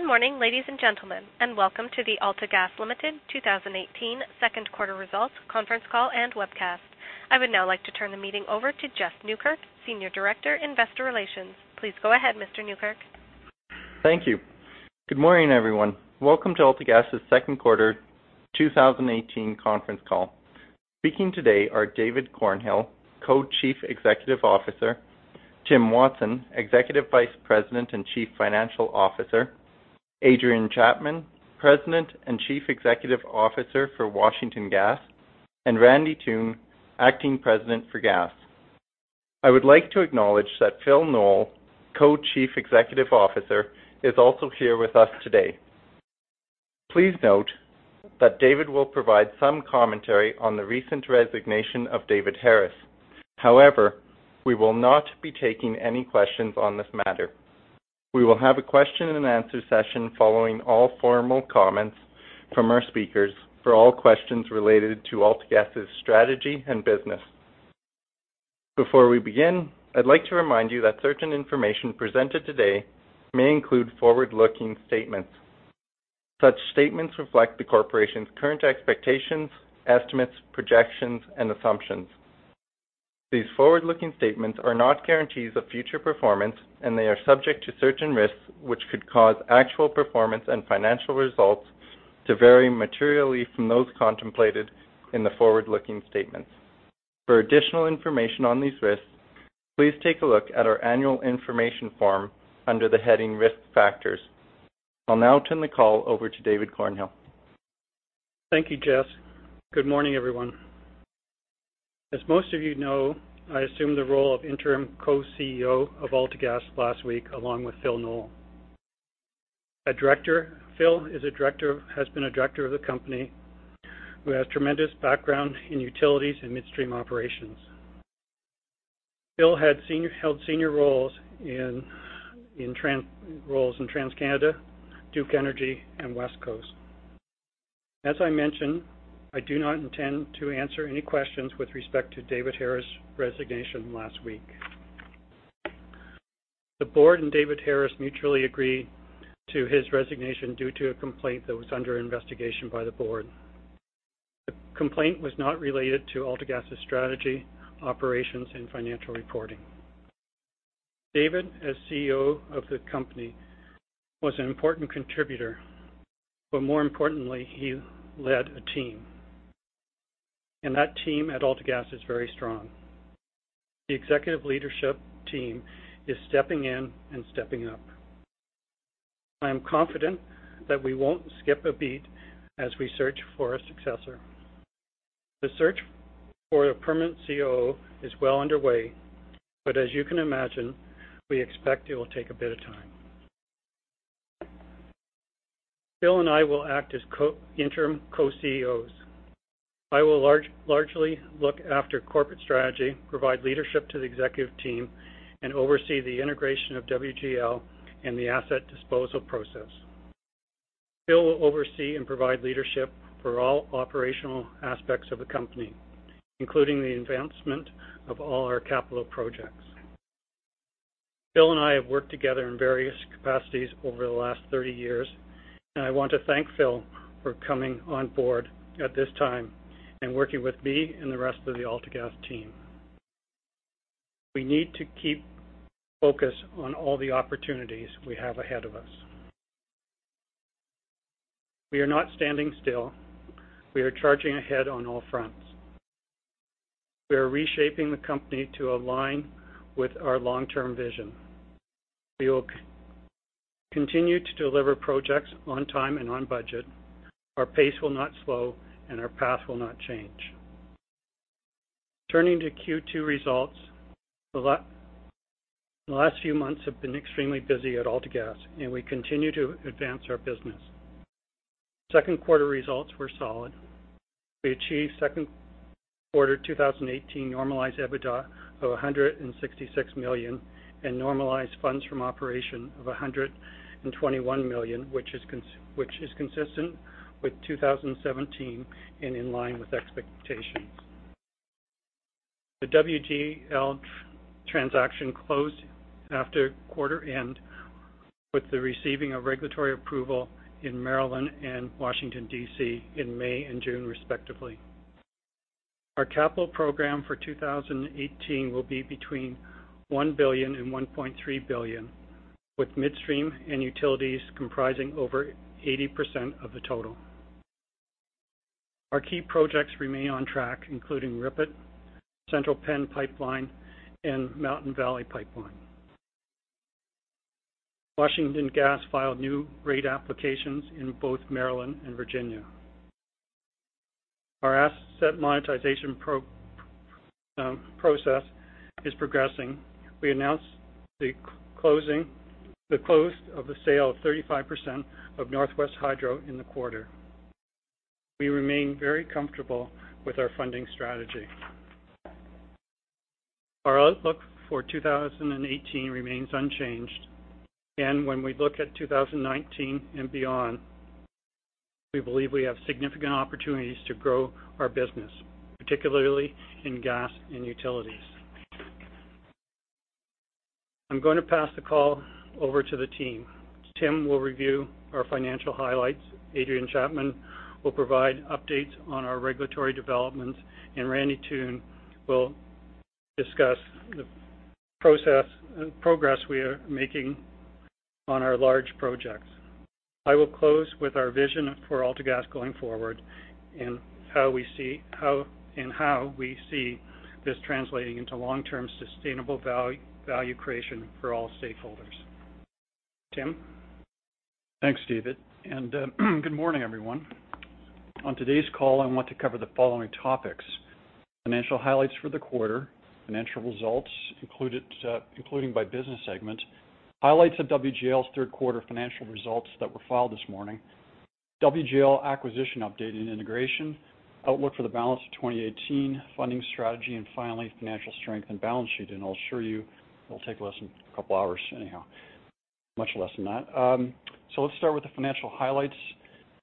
Good morning, ladies and gentlemen, and welcome to the AltaGas Ltd. 2018 second quarter results conference call and webcast. I would now like to turn the meeting over to Jess Nieukerk, Senior Director, Investor Relations. Please go ahead, Mr. Nieukerk. Thank you. Good morning, everyone. Welcome to AltaGas's second quarter 2018 conference call. Speaking today are David Cornhill, Co-Chief Executive Officer, Tim Watson, Executive Vice President and Chief Financial Officer, Adrian Chapman, President and Chief Executive Officer for Washington Gas, and Randy Toone, acting President for Gas. I would like to acknowledge that Phillip Knoll, Co-Chief Executive Officer, is also here with us today. Please note that David will provide some commentary on the recent resignation of David Harris. We will not be taking any questions on this matter. We will have a question and answer session following all formal comments from our speakers for all questions related to AltaGas's strategy and business. Before we begin, I'd like to remind you that certain information presented today may include forward-looking statements. Such statements reflect the corporation's current expectations, estimates, projections, and assumptions. These forward-looking statements are not guarantees of future performance. They are subject to certain risks, which could cause actual performance and financial results to vary materially from those contemplated in the forward-looking statements. For additional information on these risks, please take a look at our annual information form under the heading Risk Factors. I'll now turn the call over to David Cornhill. Thank you, Jess. Good morning, everyone. As most of you know, I assumed the role of interim Co-CEO of AltaGas last week, along with Phil Knoll. Phil has been a director of the company, who has tremendous background in utilities and midstream operations. Phil held senior roles in TransCanada, Duke Energy, and Westcoast Energy. As I mentioned, I do not intend to answer any questions with respect to David Harris' resignation last week. The board and David Harris mutually agreed to his resignation due to a complaint that was under investigation by the board. The complaint was not related to AltaGas's strategy, operations, and financial reporting. David, as CEO of the company, was an important contributor. More importantly, he led a team. That team at AltaGas is very strong. The Executive Leadership Team is stepping in and stepping up. I am confident that we won't skip a beat as we search for a successor. The search for a permanent CEO is well underway, but as you can imagine, we expect it will take a bit of time. Phil and I will act as interim co-CEOs. I will largely look after corporate strategy, provide leadership to the executive team, and oversee the integration of WGL and the asset disposal process. Phil will oversee and provide leadership for all operational aspects of the company, including the advancement of all our capital projects. Phil and I have worked together in various capacities over the last 30 years, and I want to thank Phil for coming on board at this time and working with me and the rest of the AltaGas team. We need to keep focused on all the opportunities we have ahead of us. We are not standing still. We are charging ahead on all fronts. We are reshaping the company to align with our long-term vision. We will continue to deliver projects on time and on budget. Our pace will not slow, and our path will not change. Turning to Q2 results, the last few months have been extremely busy at AltaGas, and we continue to advance our business. Second quarter results were solid. We achieved second quarter 2018 normalized EBITDA of 166 million and normalized funds from operation of 121 million, which is consistent with 2017 and in line with expectations. The WGL transaction closed after quarter end with the receiving of regulatory approval in Maryland and Washington, D.C. in May and June, respectively. Our capital program for 2018 will be between 1 billion and 1.3 billion, with midstream and utilities comprising over 80% of the total. Our key projects remain on track, including RIPET, Central Penn Pipeline, and Mountain Valley Pipeline. Washington Gas filed new rate applications in both Maryland and Virginia. Our asset monetization process is progressing. We announced the close of the sale of 35% of Northwest Hydro in the quarter. We remain very comfortable with our funding strategy. Our outlook for 2018 remains unchanged. When we look at 2019 and beyond, we believe we have significant opportunities to grow our business, particularly in gas and utilities. I'm going to pass the call over to the team. Tim will review our financial highlights. Adrian Chapman will provide updates on our regulatory developments, and Randy Toone will discuss the progress we are making on our large projects. I will close with our vision for AltaGas going forward and how we see this translating into long-term sustainable value creation for all stakeholders. Tim? Thanks, David, and good morning, everyone. On today's call, I want to cover the following topics: financial highlights for the quarter, financial results, including by business segment, highlights of WGL's third quarter financial results that were filed this morning, WGL acquisition update and integration, outlook for the balance of 2018, funding strategy, and finally, financial strength and balance sheet. I'll assure you, it'll take less than a couple of hours anyhow, much less than that. Let's start with the financial highlights.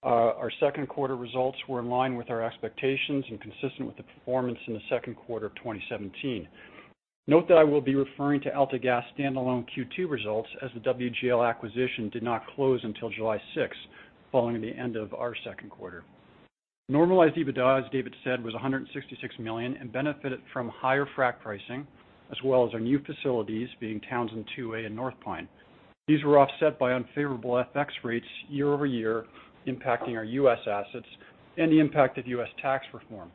Our second quarter results were in line with our expectations and consistent with the performance in the second quarter of 2017. Note that I will be referring to AltaGas standalone Q2 results as the WGL acquisition did not close until July 6, following the end of our second quarter. Normalized EBITDA, as David said, was 166 million and benefited from higher frac pricing as well as our new facilities being Townsend 2A and North Pine. These were offset by unfavorable FX rates year-over-year, impacting our U.S. assets and the impact of U.S. tax reform.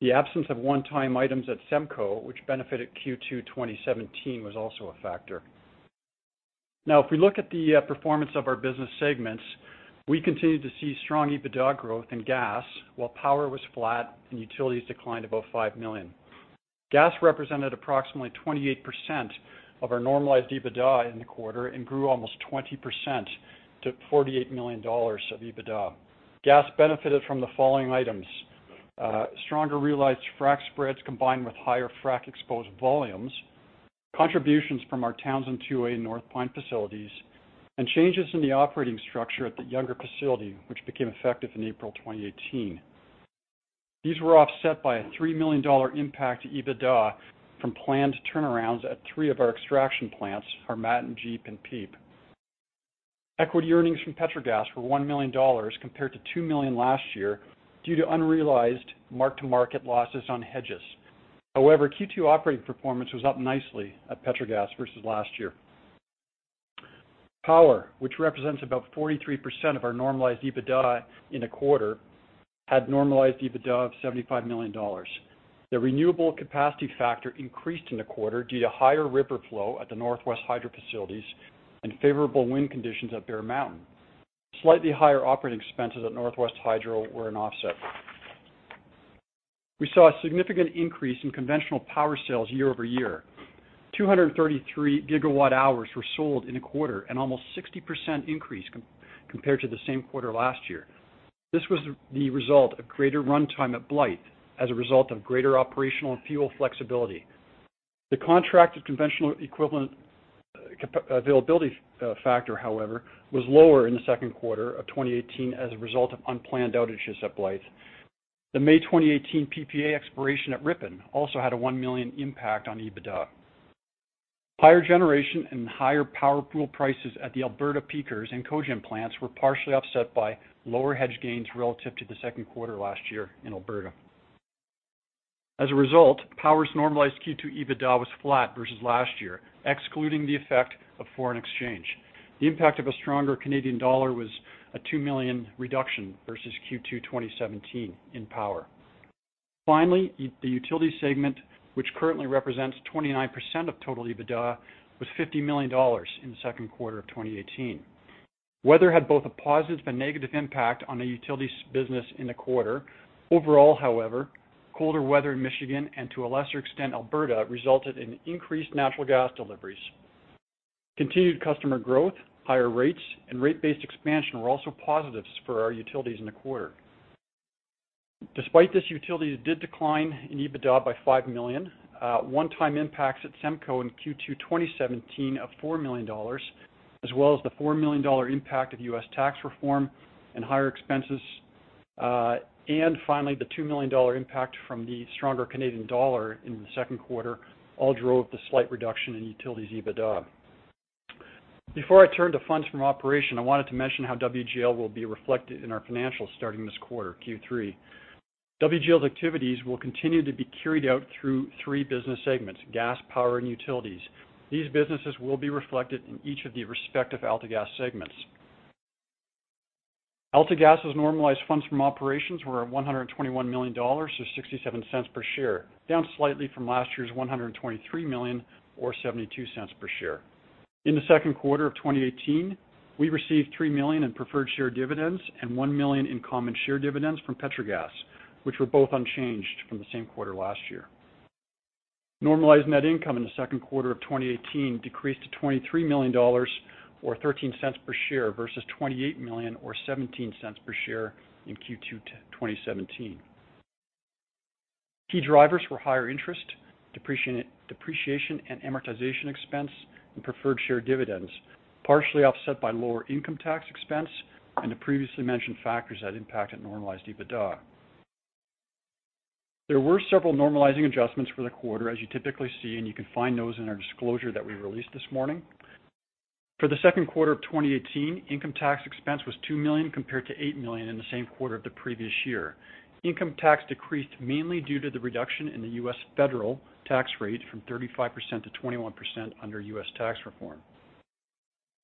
The absence of one-time items at SEMCO, which benefited Q2 2017, was also a factor. If we look at the performance of our business segments, we continued to see strong EBITDA growth in gas while power was flat and utilities declined about 5 million. Gas represented approximately 28% of our normalized EBITDA in the quarter and grew almost 20% to 48 million dollars of EBITDA. Gas benefited from the following items: stronger realized frac spreads combined with higher frac-exposed volumes, contributions from our Townsend 2A and North Pine facilities, and changes in the operating structure at the Younger facility, which became effective in April 2018. These were offset by a 3 million dollar impact to EBITDA from planned turnarounds at three of our extraction plants, Harmattan, JEEP, and Peep. Equity earnings from Petrogas were 1 million dollars compared to 2 million last year due to unrealized mark-to-market losses on hedges. However, Q2 operating performance was up nicely at Petrogas versus last year. Power, which represents about 43% of our normalized EBITDA in a quarter, had normalized EBITDA of 75 million dollars. The renewable capacity factor increased in the quarter due to higher river flow at the Northwest Hydro facilities and favorable wind conditions at Bear Mountain. Slightly higher operating expenses at Northwest Hydro were an offset. We saw a significant increase in conventional power sales year-over-year. 233 gigawatt hours were sold in a quarter, an almost 60% increase compared to the same quarter last year. This was the result of greater runtime at Blythe as a result of greater operational and fuel flexibility. The contracted conventional equivalent availability factor, however, was lower in the second quarter of 2018 as a result of unplanned outages at Blythe. The May 2018 PPA expiration at Ripon also had a 1 million impact on EBITDA. Higher generation and higher power pool prices at the Alberta Peakers and cogen plants were partially offset by lower hedge gains relative to the second quarter last year in Alberta. As a result, power's normalized Q2 EBITDA was flat versus last year, excluding the effect of foreign exchange. The impact of a stronger Canadian dollar was a 2 million reduction versus Q2 2017 in power. The utility segment, which currently represents 29% of total EBITDA, was 50 million dollars in the second quarter of 2018. Weather had both a positive and negative impact on the utilities business in the quarter. Overall, however, colder weather in Michigan, and to a lesser extent, Alberta, resulted in increased natural gas deliveries. Continued customer growth, higher rates, and rate-based expansion were also positives for our utilities in the quarter. Despite this, utilities did decline in EBITDA by 5 million. One-time impacts at SEMCO in Q2 2017 of 4 million dollars, as well as the 4 million dollar impact of U.S. tax reform and higher expenses, and the 2 million dollar impact from the stronger Canadian dollar in the second quarter all drove the slight reduction in utilities EBITDA. Before I turn to funds from operation, I wanted to mention how WGL will be reflected in our financials starting this quarter, Q3. WGL's activities will continue to be carried out through three business segments, gas, power, and utilities. These businesses will be reflected in each of the respective AltaGas segments. AltaGas's normalized funds from operations were at 121 million dollars, or 0.67 per share, down slightly from last year's 123 million or 0.72 per share. In the second quarter of 2018, we received 3 million in preferred share dividends and 1 million in common share dividends from Petrogas, which were both unchanged from the same quarter last year. Normalized net income in the second quarter of 2018 decreased to 23 million dollars, or 0.13 per share, versus 28 million or 0.17 per share in Q2 2017. Key drivers were higher interest, depreciation and amortization expense, and preferred share dividends, partially offset by lower income tax expense and the previously mentioned factors that impacted normalized EBITDA. There were several normalizing adjustments for the quarter, as you typically see, and you can find those in our disclosure that we released this morning. For the second quarter of 2018, income tax expense was 2 million compared to 8 million in the same quarter of the previous year. Income tax decreased mainly due to the reduction in the U.S. federal tax rate from 35% to 21% under U.S. tax reform.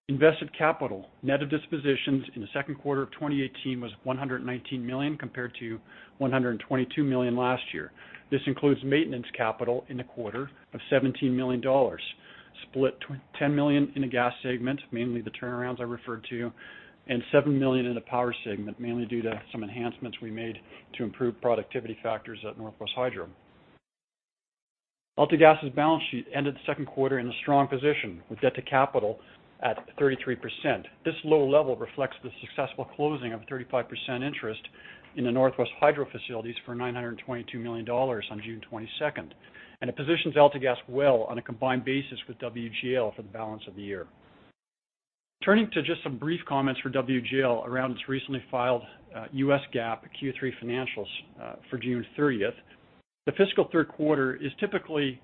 Invested capital, net of dispositions in the second quarter of 2018 was 119 million, compared to 122 million last year. This includes maintenance capital in the quarter of 17 million dollars, split 10 million in the gas segment, mainly the turnarounds I referred to, and 7 million in the power segment, mainly due to some enhancements we made to improve productivity factors at Northwest Hydro. AltaGas's balance sheet ended the second quarter in a strong position, with debt to capital at 33%. This low level reflects the successful closing of a 35% interest in the Northwest Hydro facilities for 922 million dollars on June 22nd, and it positions AltaGas well on a combined basis with WGL for the balance of the year. Turning to just some brief comments for WGL around its recently filed U.S. GAAP Q3 financials, for June 30th. The fiscal third quarter is typically,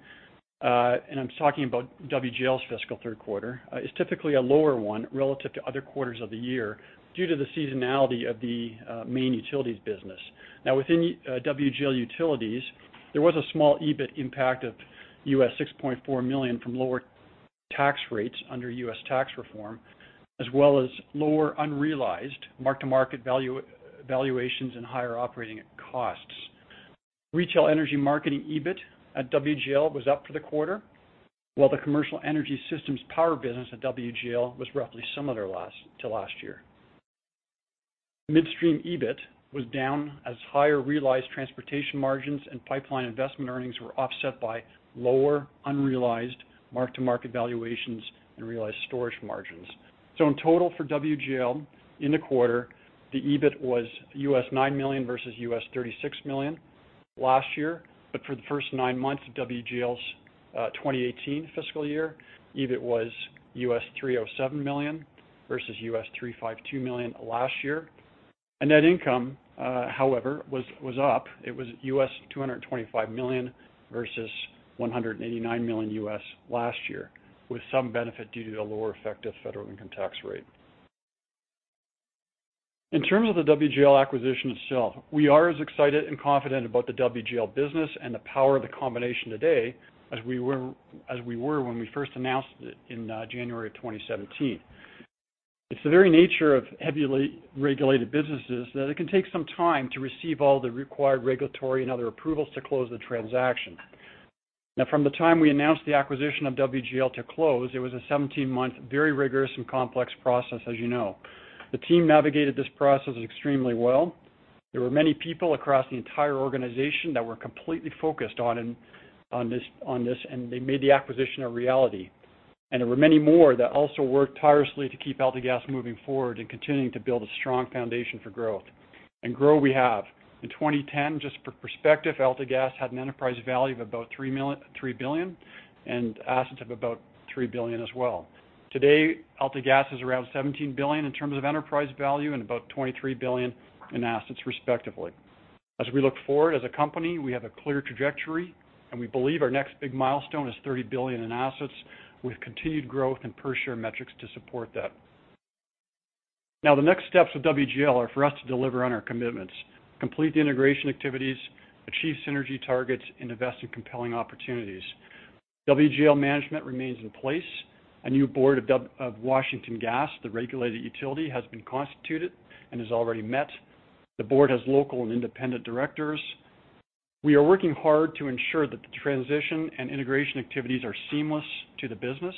and I'm talking about WGL's fiscal third quarter, a lower one relative to other quarters of the year due to the seasonality of the main utilities business. Within WGL Utilities, there was a small EBIT impact of 6.4 million from lower tax rates under U.S. tax reform, as well as lower unrealized mark-to-market valuations and higher operating costs. Retail energy marketing EBIT at WGL was up for the quarter, while the commercial energy systems power business at WGL was roughly similar to last year. Midstream EBIT was down as higher realized transportation margins and pipeline investment earnings were offset by lower unrealized mark-to-market valuations and realized storage margins. In total for WGL in the quarter, the EBIT was 9 million versus 36 million last year. For the first nine months of WGL's 2018 fiscal year, EBIT was US $307 million versus US $352 million last year. Net income, however, was up. It was US $225 million versus US $189 million last year, with some benefit due to the lower effective federal income tax rate. In terms of the WGL acquisition itself, we are as excited and confident about the WGL business and the power of the combination today as we were when we first announced it in January of 2017. It is the very nature of heavily regulated businesses that it can take some time to receive all the required regulatory and other approvals to close the transaction. From the time we announced the acquisition of WGL to close, it was a 17-month, very rigorous and complex process, as you know. The team navigated this process extremely well. There were many people across the entire organization that were completely focused on this, and they made the acquisition a reality. There were many more that also worked tirelessly to keep AltaGas moving forward and continuing to build a strong foundation for growth. Grow we have. In 2010, just for perspective, AltaGas had an enterprise value of about three billion and assets of about three billion as well. Today, AltaGas is around 17 billion in terms of enterprise value and about 23 billion in assets, respectively. As we look forward as a company, we have a clear trajectory, and we believe our next big milestone is 30 billion in assets with continued growth and per-share metrics to support that. The next steps with WGL are for us to deliver on our commitments, complete the integration activities, achieve synergy targets, and invest in compelling opportunities. WGL management remains in place. A new board of Washington Gas, the regulated utility, has been constituted and has already met. The board has local and independent directors. We are working hard to ensure that the transition and integration activities are seamless to the business.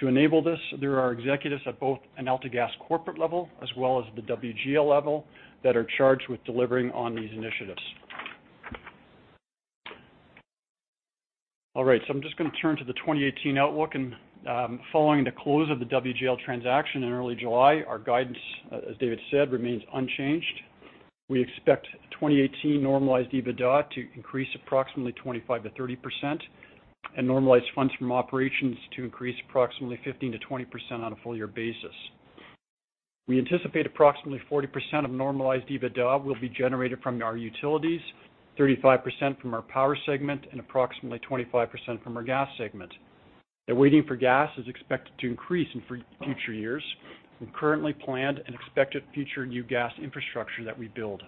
To enable this, there are executives at both an AltaGas corporate level as well as the WGL level that are charged with delivering on these initiatives. I am just going to turn to the 2018 outlook and following the close of the WGL transaction in early July, our guidance, as David said, remains unchanged. We expect 2018 normalized EBITDA to increase approximately 25%-30% and normalized funds from operations to increase approximately 15%-20% on a full-year basis. We anticipate approximately 40% of normalized EBITDA will be generated from our utilities, 35% from our power segment, and approximately 25% from our gas segment. The weighting for gas is expected to increase in future years from currently planned and expected future new gas infrastructure that we build.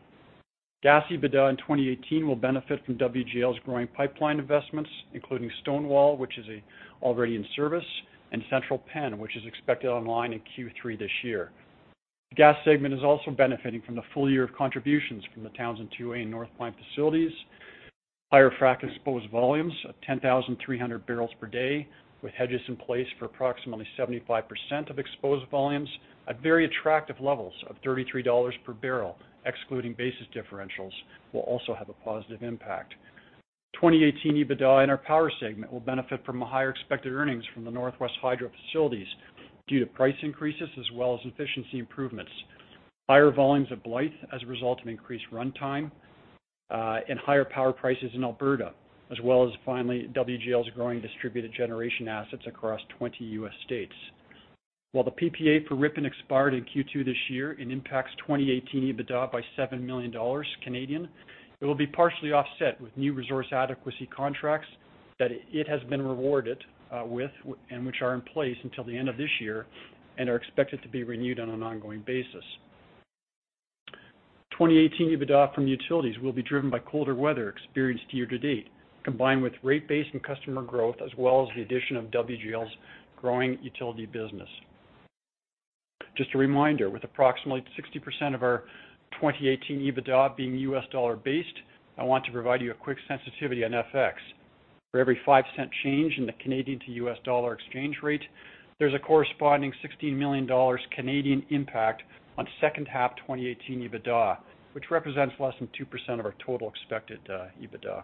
Gas EBITDA in 2018 will benefit from WGL's growing pipeline investments, including Stonewall, which is already in service, and Central Penn, which is expected online in Q3 this year. The gas segment is also benefiting from the full year of contributions from the Townsend 2A and North Pine facilities. Higher frac exposed volumes of 10,300 barrels per day, with hedges in place for approximately 75% of exposed volumes at very attractive levels of $33 per barrel, excluding basis differentials, will also have a positive impact. 2018 EBITDA in our Power segment will benefit from higher expected earnings from the Northwest Hydro facilities due to price increases, as well as efficiency improvements, higher volumes at Blythe as a result of increased runtime, and higher power prices in Alberta, as well as, finally, WGL's growing distributed generation assets across 20 U.S. states. While the PPA for Ripon expired in Q2 this year and impacts 2018 EBITDA by 7 million Canadian dollars, it will be partially offset with new resource adequacy contracts that it has been rewarded with and which are in place until the end of this year and are expected to be renewed on an ongoing basis. 2018 EBITDA from Utilities will be driven by colder weather experienced year-to-date, combined with rate base and customer growth, as well as the addition of WGL's growing Utility business. Just a reminder, with approximately 60% of our 2018 EBITDA being U.S. dollar-based, I want to provide you a quick sensitivity on FX. For every 0.05 change in the Canadian to U.S. dollar exchange rate, there is a corresponding 16 million Canadian dollars impact on second half 2018 EBITDA, which represents less than 2% of our total expected EBITDA.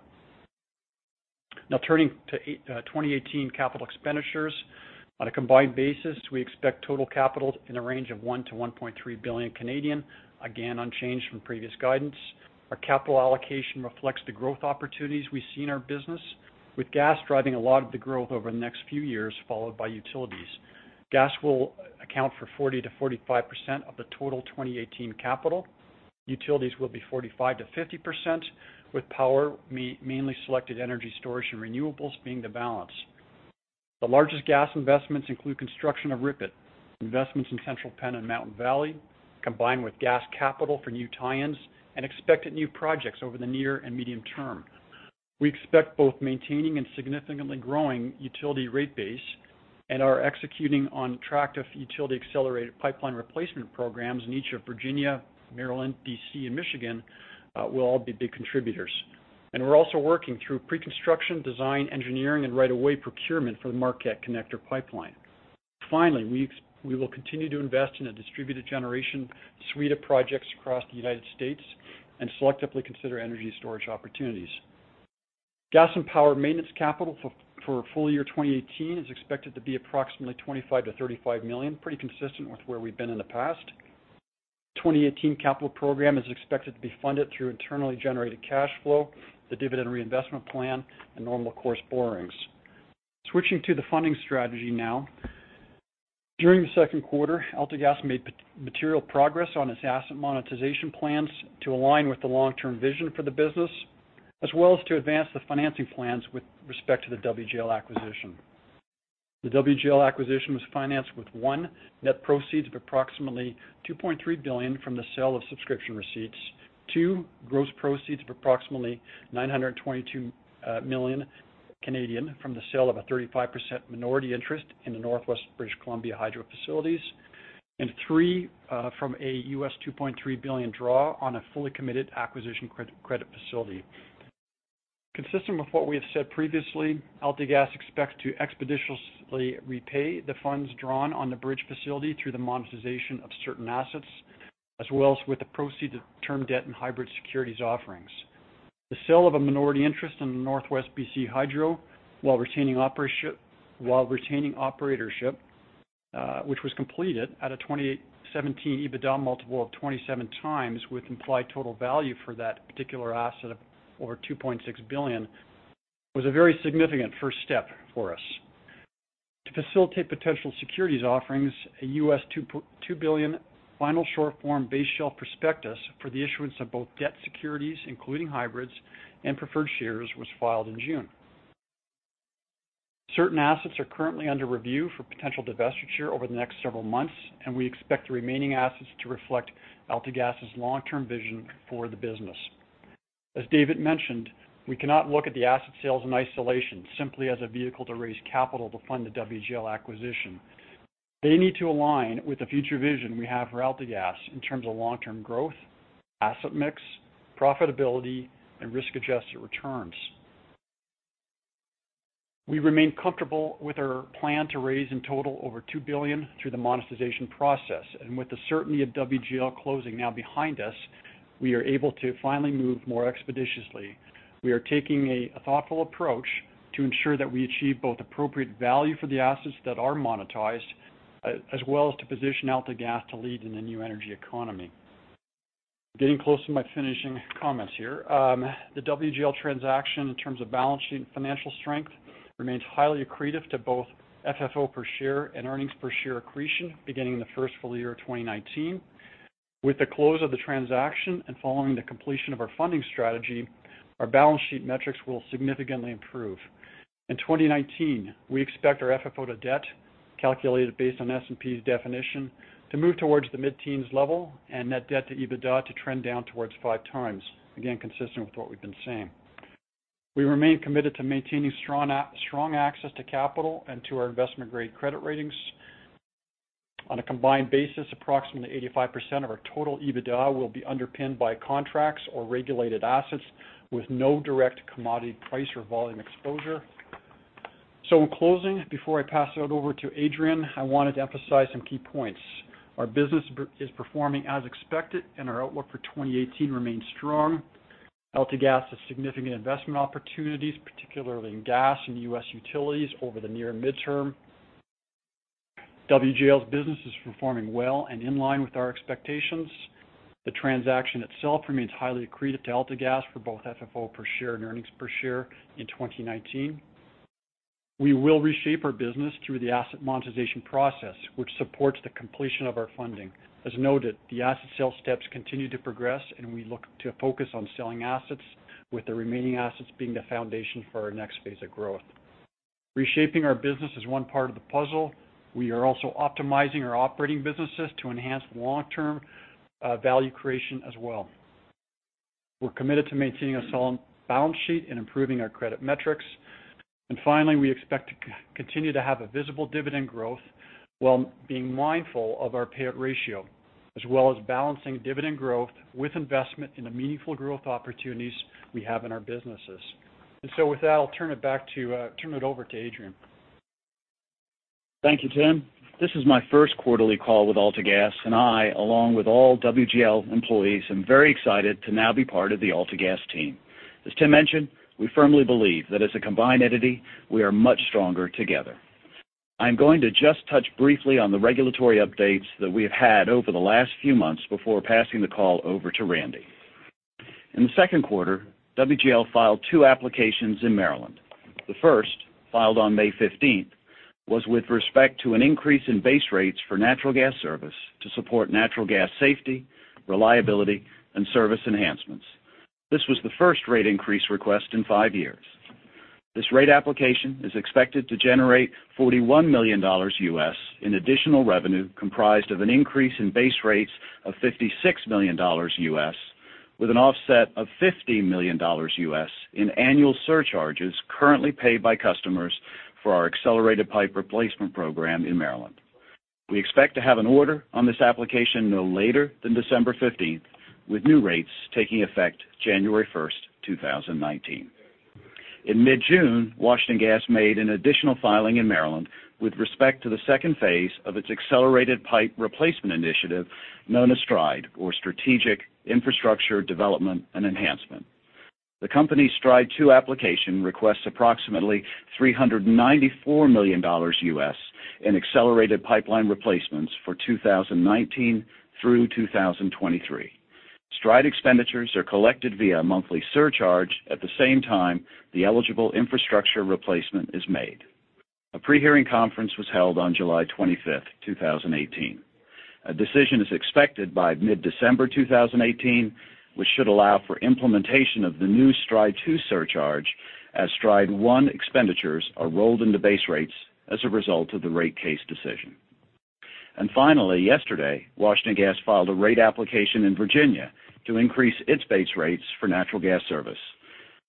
Turning to 2018 capital expenditures. On a combined basis, we expect total capital in the range of 1 billion to 1.3 billion, again, unchanged from previous guidance. Our capital allocation reflects the growth opportunities we see in our business, with Gas driving a lot of the growth over the next few years, followed by Utilities. Gas will account for 40%-45% of the total 2018 capital. Utilities will be 45%-50%, with Power, mainly selected energy storage and renewables being the balance. The largest Gas investments include construction of RIPET, investments in Central Penn and Mountain Valley, combined with Gas capital for new tie-ins and expected new projects over the near and medium term. We expect both maintaining and significantly growing Utility rate base and are executing on track of Utility-accelerated pipeline replacement programs in each of Virginia, Maryland, D.C., and Michigan will all be big contributors. We are also working through pre-construction, design, engineering, and right of way procurement for the Marquette Connector Pipeline. Finally, we will continue to invest in a distributed generation suite of projects across the U.S. and selectively consider energy storage opportunities. Gas and Power maintenance capital for full year 2018 is expected to be approximately 25 million to 35 million, pretty consistent with where we have been in the past. 2018 capital program is expected to be funded through internally generated cash flow, the dividend reinvestment plan, and normal course borrowings. Switching to the funding strategy now. During the second quarter, AltaGas made material progress on its asset monetization plans to align with the long-term vision for the business, as well as to advance the financing plans with respect to the WGL acquisition. The WGL acquisition was financed with, one, net proceeds of approximately 2.3 billion from the sale of subscription receipts. Two, gross proceeds of approximately 922 million Canadian dollars from the sale of a 35% minority interest in the Northwest British Columbia Hydro facilities. Three, from a U.S. $2.3 billion draw on a fully committed acquisition credit facility. Consistent with what we have said previously, AltaGas expects to expeditiously repay the funds drawn on the bridge facility through the monetization of certain assets, as well as with the proceeds of term debt and hybrid securities offerings. The sale of a minority interest in the Northwest BC Hydro, while retaining operatorship, which was completed at a 2017 EBITDA multiple of 27x with implied total value for that particular asset of over 2.6 billion, was a very significant first step for us. To facilitate potential securities offerings, a $2 billion final short form base shelf prospectus for the issuance of both debt securities, including hybrids and preferred shares, was filed in June. Certain assets are currently under review for potential divestiture over the next several months, and we expect the remaining assets to reflect AltaGas's long-term vision for the business. As David mentioned, we cannot look at the asset sales in isolation simply as a vehicle to raise capital to fund the WGL acquisition. They need to align with the future vision we have for AltaGas in terms of long-term growth, asset mix, profitability, and risk-adjusted returns. We remain comfortable with our plan to raise in total over 2 billion through the monetization process. With the certainty of WGL closing now behind us, we are able to finally move more expeditiously. We are taking a thoughtful approach to ensure that we achieve both appropriate value for the assets that are monetized, as well as to position AltaGas to lead in the new energy economy. Getting close to my finishing comments here. The WGL transaction in terms of balance sheet and financial strength remains highly accretive to both FFO per share and earnings per share accretion beginning in the first full year of 2019. With the close of the transaction and following the completion of our funding strategy, our balance sheet metrics will significantly improve. In 2019, we expect our FFO to debt, calculated based on S&P's definition, to move towards the mid-teens level and net debt to EBITDA to trend down towards 5x, again, consistent with what we've been saying. We remain committed to maintaining strong access to capital and to our investment-grade credit ratings. On a combined basis, approximately 85% of our total EBITDA will be underpinned by contracts or regulated assets with no direct commodity price or volume exposure. In closing, before I pass it over to Adrian, I wanted to emphasize some key points. Our business is performing as expected, and our outlook for 2018 remains strong. AltaGas has significant investment opportunities, particularly in gas and U.S. utilities over the near midterm. WGL's business is performing well and in line with our expectations. The transaction itself remains highly accretive to AltaGas for both FFO per share and earnings per share in 2019. We will reshape our business through the asset monetization process, which supports the completion of our funding. As noted, the asset sale steps continue to progress, we look to focus on selling assets, with the remaining assets being the foundation for our next phase of growth. Reshaping our business is one part of the puzzle. We are also optimizing our operating businesses to enhance long-term value creation as well. We're committed to maintaining a solid balance sheet and improving our credit metrics. Finally, we expect to continue to have a visible dividend growth while being mindful of our payout ratio, as well as balancing dividend growth with investment in the meaningful growth opportunities we have in our businesses. With that, I'll turn it over to Adrian. Thank you, Tim. This is my first quarterly call with AltaGas, and I, along with all WGL employees, am very excited to now be part of the AltaGas team. As Tim mentioned, we firmly believe that as a combined entity, we are much stronger together. I'm going to just touch briefly on the regulatory updates that we have had over the last few months before passing the call over to Randy. In the second quarter, WGL filed two applications in Maryland. The first, filed on May 15th, was with respect to an increase in base rates for natural gas service to support natural gas safety, reliability, and service enhancements. This was the first rate increase request in five years. This rate application is expected to generate $41 million US in additional revenue, comprised of an increase in base rates of $56 million US, with an offset of $50 million US in annual surcharges currently paid by customers for our accelerated pipe replacement program in Maryland. We expect to have an order on this application no later than December 15th, with new rates taking effect January 1st, 2019. In mid-June, Washington Gas made an additional filing in Maryland with respect to the second phase of its accelerated pipe replacement initiative, known as STRIDE, or Strategic Infrastructure Development and Enhancement. The company's STRIDE 2 application requests approximately $394 million US in accelerated pipeline replacements for 2019 through 2023. STRIDE expenditures are collected via a monthly surcharge at the same time the eligible infrastructure replacement is made. A pre-hearing conference was held on July 25th, 2018. A decision is expected by mid-December 2018, which should allow for implementation of the new STRIDE 2 surcharge as STRIDE 1 expenditures are rolled into base rates as a result of the rate case decision. Finally, yesterday, Washington Gas filed a rate application in Virginia to increase its base rates for natural gas service.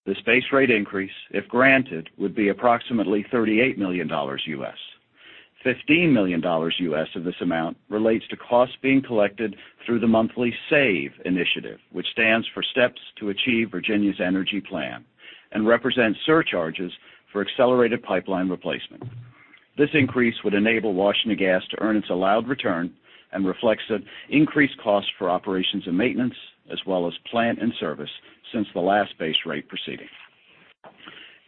This base rate increase, if granted, would be approximately $38 million US. $15 million US of this amount relates to costs being collected through the monthly SAVE initiative, which stands for Steps to Advance Virginia's Energy Plan and represents surcharges for accelerated pipeline replacement. This increase would enable Washington Gas to earn its allowed return and reflects an increased cost for operations and maintenance, as well as plant and service, since the last base rate proceeding.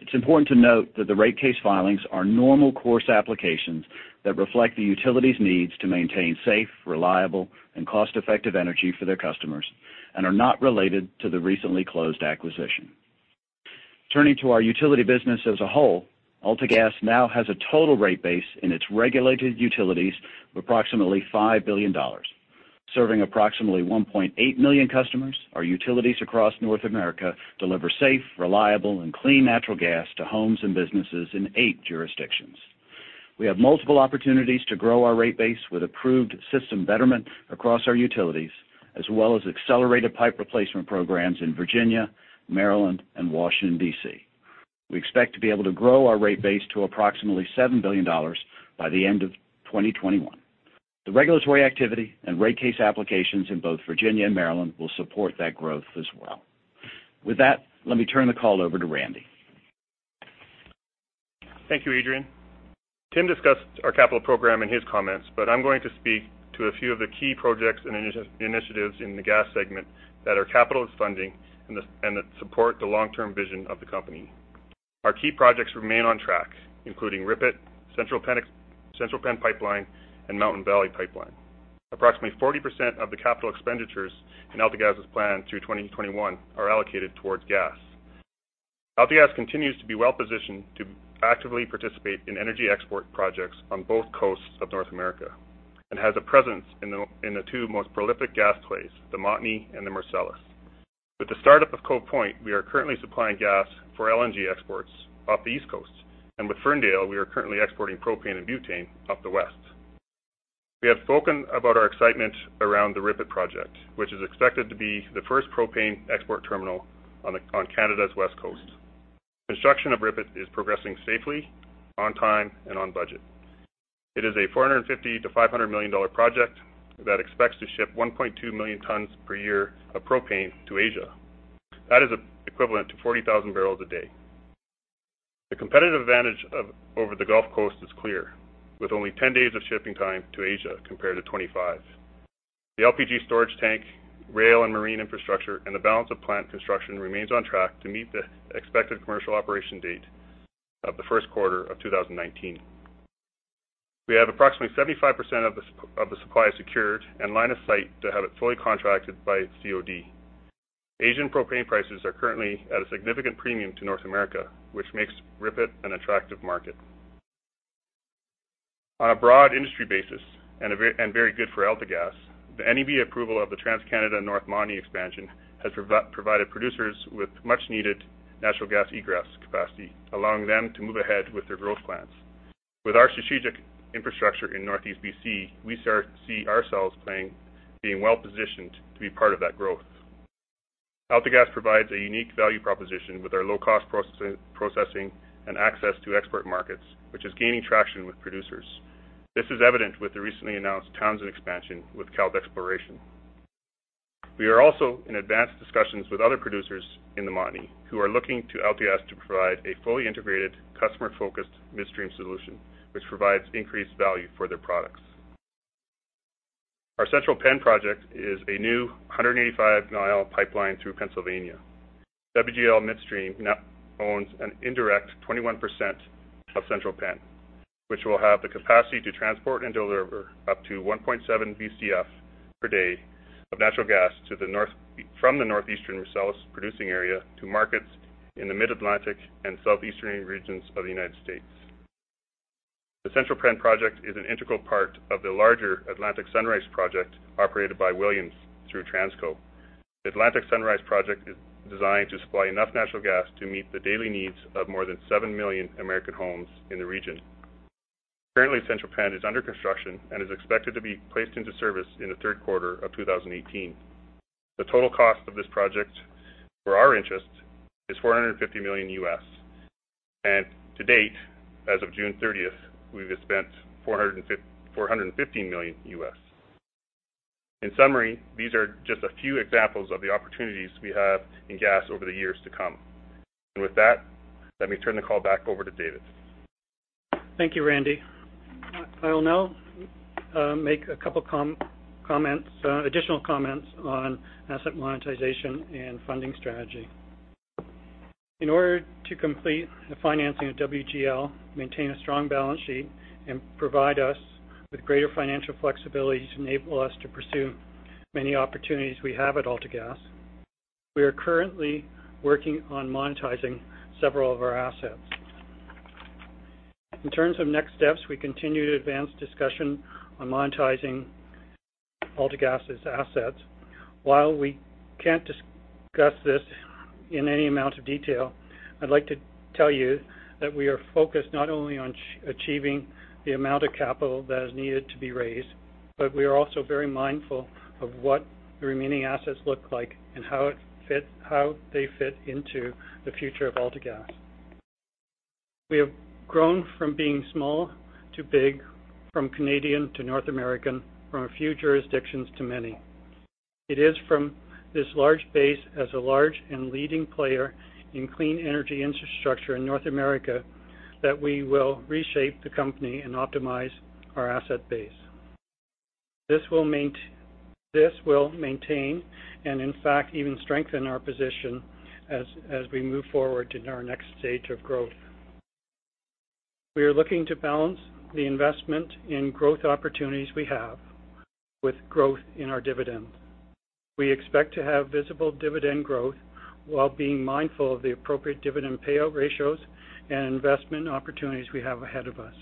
It's important to note that the rate case filings are normal course applications that reflect the utilities' needs to maintain safe, reliable, and cost-effective energy for their customers and are not related to the recently closed acquisition. Turning to our utility business as a whole, AltaGas now has a total rate base in its regulated utilities of approximately 5 billion dollars. Serving approximately 1.8 million customers, our utilities across North America deliver safe, reliable, and clean natural gas to homes and businesses in eight jurisdictions. We have multiple opportunities to grow our rate base with approved system betterment across our utilities, as well as accelerated pipe replacement programs in Virginia, Maryland, and Washington, D.C. We expect to be able to grow our rate base to approximately 7 billion dollars by the end of 2021. The regulatory activity and rate case applications in both Virginia and Maryland will support that growth as well. With that, let me turn the call over to Randy. Thank you, Adrian. Tim discussed our capital program in his comments, but I'm going to speak to a few of the key projects and initiatives in the gas segment that our capital is funding and that support the long-term vision of the company. Our key projects remain on track, including RIPET, Central Penn Pipeline, and Mountain Valley Pipeline. Approximately 40% of the capital expenditures in AltaGas's plan through 2021 are allocated towards gas. AltaGas continues to be well-positioned to actively participate in energy export projects on both coasts of North America and has a presence in the two most prolific gas plays, the Montney and the Marcellus. With the startup of Cove Point, we are currently supplying gas for LNG exports off the East Coast, and with Ferndale, we are currently exporting propane and butane up the west. We have spoken about our excitement around the RIPET project, which is expected to be the first propane export terminal on Canada's west coast. Construction of RIPET is progressing safely, on time, and on budget. It is a 450 million-500 million dollar project that expects to ship 1.2 million tons per year of propane to Asia. That is equivalent to 40,000 barrels a day. The competitive advantage over the Gulf Coast is clear, with only 10 days of shipping time to Asia compared to 25. The LPG storage tank, rail and marine infrastructure, and the balance of plant construction remains on track to meet the expected commercial operation date of the first quarter of 2019. We have approximately 75% of the supply secured and line of sight to have it fully contracted by its COD. Asian propane prices are currently at a significant premium to North America, which makes RIPET an attractive market. On a broad industry basis and very good for AltaGas, the NEB approval of the TransCanada North Montney expansion has provided producers with much-needed natural gas egress capacity, allowing them to move ahead with their growth plans. With our strategic infrastructure in Northeast BC, we see ourselves being well-positioned to be part of that growth. AltaGas provides a unique value proposition with our low-cost processing and access to export markets, which is gaining traction with producers. This is evident with the recently announced Townsend expansion with Kelt Exploration. We are also in advanced discussions with other producers in the Montney who are looking to AltaGas to provide a fully integrated, customer-focused midstream solution, which provides increased value for their products. Our Central Penn project is a new 185-mile pipeline through Pennsylvania. WGL Midstream now owns an indirect 21% of Central Penn, which will have the capacity to transport and deliver up to 1.7 Bcf per day of natural gas from the northeastern Marcellus producing area to markets in the Mid-Atlantic and southeastern regions of the U.S. The Central Penn project is an integral part of the larger Atlantic Sunrise project operated by Williams through Transco. The Atlantic Sunrise project is designed to supply enough natural gas to meet the daily needs of more than seven million American homes in the region. Currently, Central Penn is under construction and is expected to be placed into service in the third quarter of 2018. The total cost of this project for our interest is $450 million, and to date, as of June 30th, we have spent $415 million. In summary, these are just a few examples of the opportunities we have in gas over the years to come. With that, let me turn the call back over to David. Thank you, Randy. I will now make a couple additional comments on asset monetization and funding strategy. In order to complete the financing of WGL, maintain a strong balance sheet, and provide us with greater financial flexibility to enable us to pursue many opportunities we have at AltaGas, we are currently working on monetizing several of our assets. In terms of next steps, we continue to advance discussion on monetizing AltaGas's assets. While we can't discuss this in any amount of detail, I'd like to tell you that we are focused not only on achieving the amount of capital that is needed to be raised, but we are also very mindful of what the remaining assets look like and how they fit into the future of AltaGas. We have grown from being small to big, from Canadian to North American, from a few jurisdictions to many. It is from this large base as a large and leading player in clean energy infrastructure in North America, that we will reshape the company and optimize our asset base. This will maintain and in fact, even strengthen our position as we move forward in our next stage of growth. We are looking to balance the investment in growth opportunities we have with growth in our dividend. We expect to have visible dividend growth while being mindful of the appropriate dividend payout ratios and investment opportunities we have ahead of us.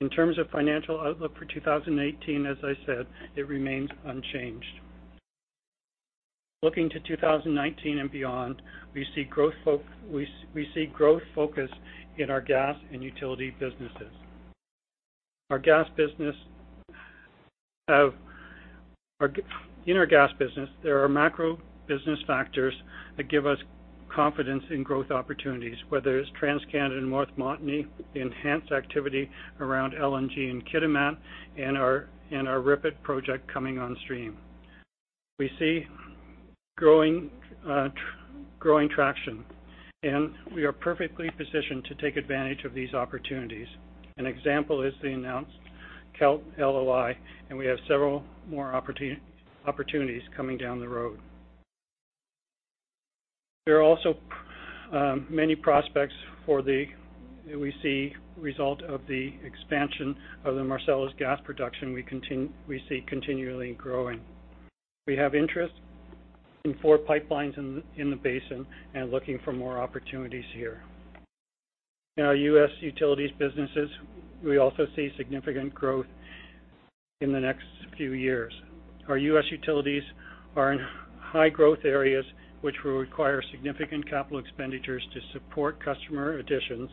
In terms of financial outlook for 2018, as I said, it remains unchanged. Looking to 2019 and beyond, we see growth focus in our gas and utility businesses. In our gas business, there are macro business factors that give us confidence in growth opportunities, whether it's TransCanada and North Montney, enhanced activity around LNG in Kitimat, and our RIPET project coming on stream. We see growing traction. We have several more opportunities coming down the road. An example is the announced Kelt LOI. There are also many prospects we see result of the expansion of the Marcellus gas production we see continually growing. We have interest in four pipelines in the basin and looking for more opportunities here. In our U.S. Utilities businesses, we also see significant growth in the next few years. Our U.S. Utilities are in high-growth areas, which will require significant capital expenditures to support customer additions,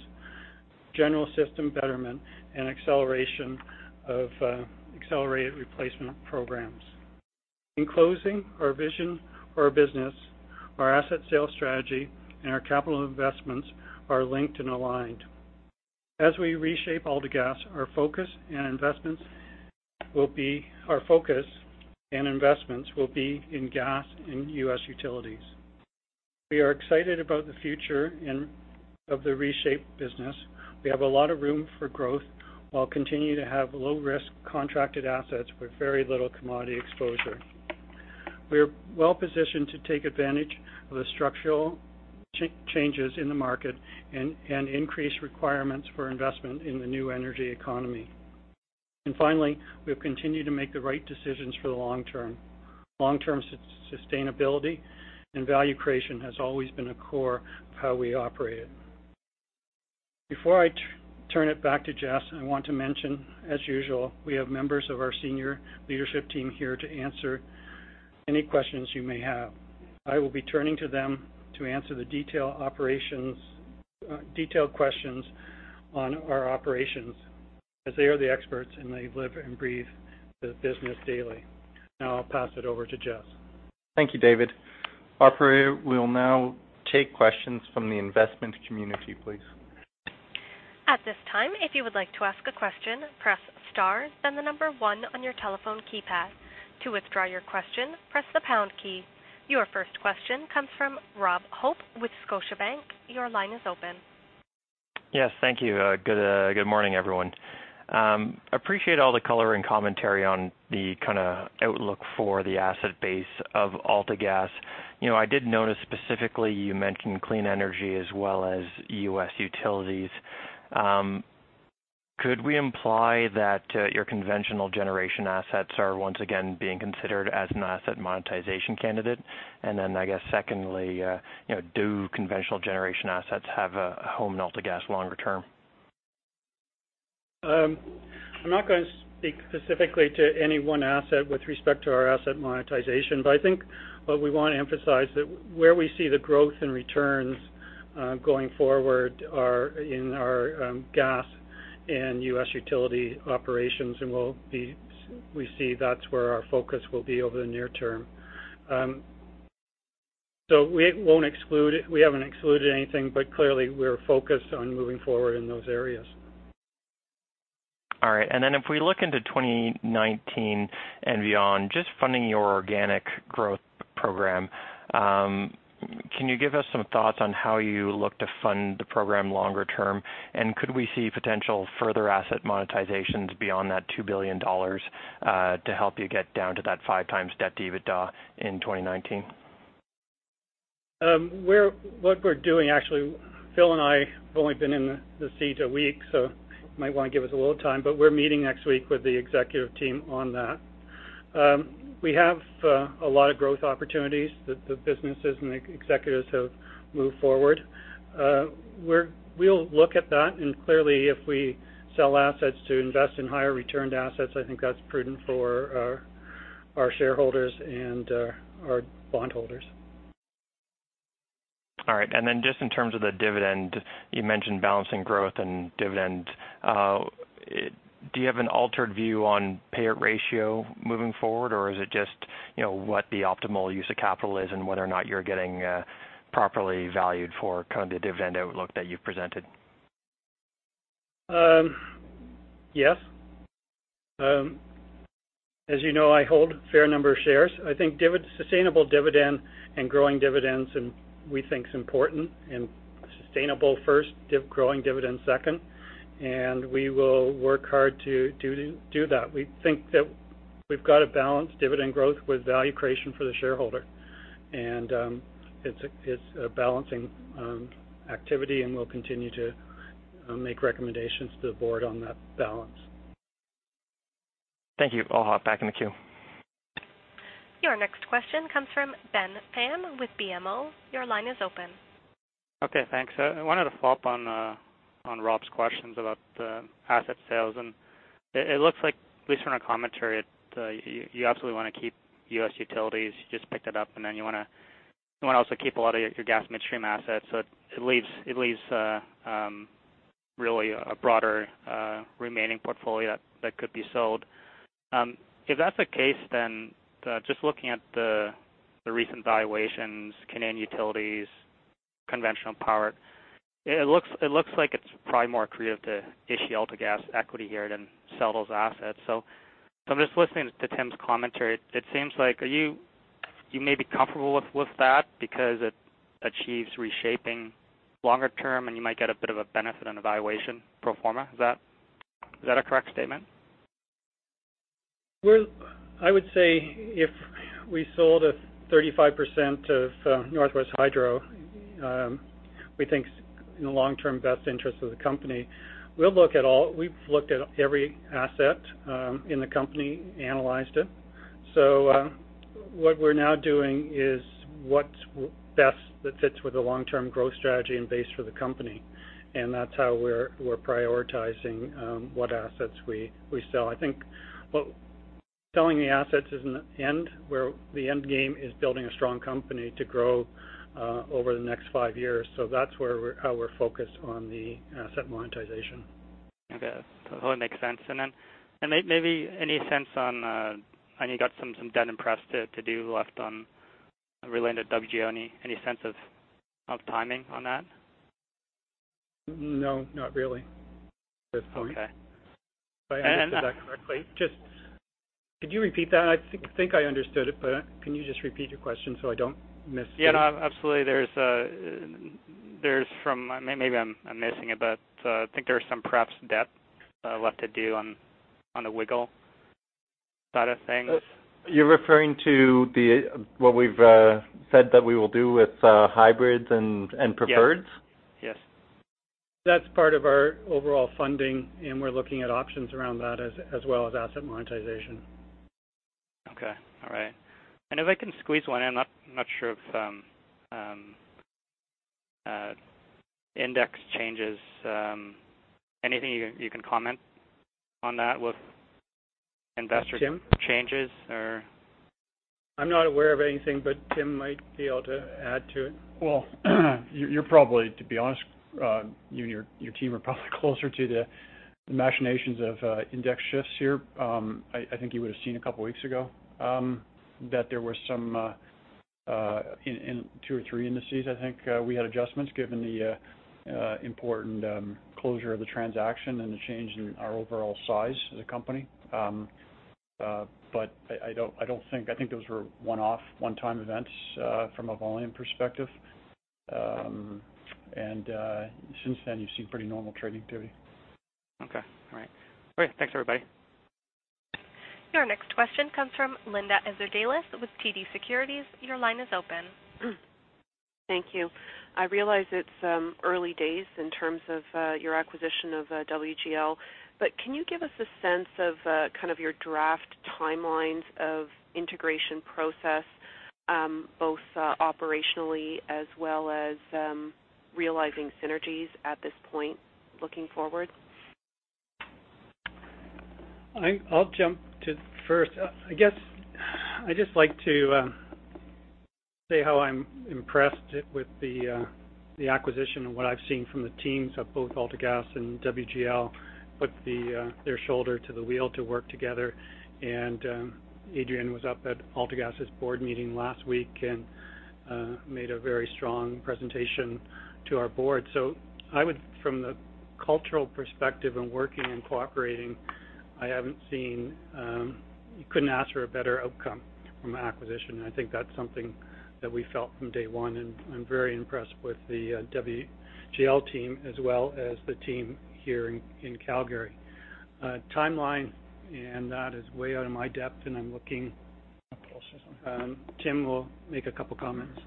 general system betterment, and accelerated replacement programs. In closing our vision for our business, our asset sale strategy, and our capital investments are linked and aligned. As we reshape AltaGas, our focus and investments will be in gas and U.S. utilities. We are excited about the future of the reshaped business. We have a lot of room for growth, while continuing to have low-risk contracted assets with very little commodity exposure. We're well-positioned to take advantage of the structural changes in the market and increase requirements for investment in the new energy economy. Finally, we've continued to make the right decisions for the long term. Long-term sustainability and value creation has always been a core of how we operate. Before I turn it back to Jess, I want to mention, as usual, we have members of our senior leadership team here to answer any questions you may have. I will be turning to them to answer the detailed questions on our operations, as they are the experts, and they live and breathe the business daily. Now I'll pass it over to Jess. Thank you, David. Operator, we'll now take questions from the investment community, please. At this time, if you would like to ask a question, press star, then the number 1 on your telephone keypad. To withdraw your question, press the pound key. Your first question comes from Robert Hope with Scotiabank. Your line is open. Yes, thank you. Good morning, everyone. Appreciate all the color and commentary on the kind of outlook for the asset base of AltaGas. I did notice specifically you mentioned clean energy as well as U.S. utilities. Could we imply that your conventional generation assets are once again being considered as an asset monetization candidate? And then, I guess secondly, do conventional generation assets have a home in AltaGas longer term? I'm not going to speak specifically to any one asset with respect to our asset monetization, but I think what we want to emphasize is that where we see the growth in returns going forward are in our gas and U.S. utility operations, and we see that's where our focus will be over the near term. We haven't excluded anything, but clearly, we're focused on moving forward in those areas. All right. If we look into 2019 and beyond, just funding your organic growth program, can you give us some thoughts on how you look to fund the program longer term? Could we see potential further asset monetizations beyond that 2 billion dollars to help you get down to that 5 times debt to EBITDA in 2019? What we're doing, actually, Phil and I have only been in the seat a week, you might want to give us a little time, we're meeting next week with the executive team on that. We have a lot of growth opportunities that the businesses and the executives have moved forward. We'll look at that, clearly, if we sell assets to invest in higher return assets, I think that's prudent for our shareholders and our bondholders. All right. Just in terms of the dividend, you mentioned balancing growth and dividend. Do you have an altered view on payout ratio moving forward? Is it just, what the optimal use of capital is and whether or not you're getting properly valued for kind of the dividend outlook that you've presented? Yes. As you know, I hold a fair number of shares. I think sustainable dividend growing dividends we think is important, sustainable first, growing dividend second, we will work hard to do that. We think that we've got to balance dividend growth with value creation for the shareholder, it's a balancing activity, we'll continue to make recommendations to the board on that balance. Thank you. I'll hop back in the queue. Your next question comes from Ben Pham with BMO. Your line is open. Okay, thanks. I wanted to follow up on Rob's questions about asset sales. It looks like, at least from the commentary, you absolutely want to keep U.S. utilities. You just picked it up, and then you want to also keep a lot of your gas midstream assets. It leaves really a broader remaining portfolio that could be sold. If that's the case, then just looking at the recent valuations, Canadian utilities, conventional power, it looks like it's probably more accretive to issue AltaGas equity here than sell those assets. I'm just listening to Tim's commentary. It seems like you may be comfortable with that because it achieves reshaping longer term, and you might get a bit of a benefit on a valuation pro forma. Is that a correct statement? I would say if we sold a 35% of Northwest Hydro, we think in the long term best interest of the company. We've looked at every asset in the company, analyzed it. What we're now doing is what's best that fits with the long-term growth strategy and base for the company, and that's how we're prioritizing what assets we sell. I think selling the assets is an end, where the end game is building a strong company to grow over the next five years. That's how we're focused on the asset monetization. Okay. Totally makes sense. Maybe any sense on, I know you got some debt and press to do left on related to WGL, any sense of timing on that? No, not really at this point. Okay. If I answered that correctly. Could you repeat that? I think I understood it, but can you just repeat your question so I don't miss anything? Yeah, no, absolutely. Maybe I'm missing it, but I think there was some perhaps debt left to do on the WGL side of things. You're referring to what we've said that we will do with hybrids and preferreds? Yes. That's part of our overall funding. We're looking at options around that as well as asset monetization. Okay. All right. If I can squeeze one in, I'm not sure if index changes, anything you can comment on that. Tim changes or I'm not aware of anything. Tim might be able to add to it. To be honest, you and your team are probably closer to the machinations of index shifts here. I think you would've seen a couple of weeks ago that there was some, in two or three indices, I think, we had adjustments given the important closure of the transaction and the change in our overall size as a company. I think those were one-off, one-time events, from a volume perspective. Since then you've seen pretty normal trading activity. Okay. All right. Great. Thanks, everybody. Your next question comes from Linda Ezergailis with TD Securities. Your line is open. Thank you. I realize it's early days in terms of your acquisition of WGL, can you give us a sense of your draft timelines of integration process, both operationally as well as realizing synergies at this point looking forward? I'll jump to first. I guess, I'd just like to say how I'm impressed with the acquisition and what I've seen from the teams of both AltaGas and WGL put their shoulder to the wheel to work together. Adrian was up at AltaGas' board meeting last week and made a very strong presentation to our board. From the cultural perspective and working and cooperating, you couldn't ask for a better outcome from an acquisition, I think that's something that we felt from day one, I'm very impressed with the WGL team as well as the team here in Calgary. Timeline and that is way out of my depth, I'm looking Tim will make a couple of comments.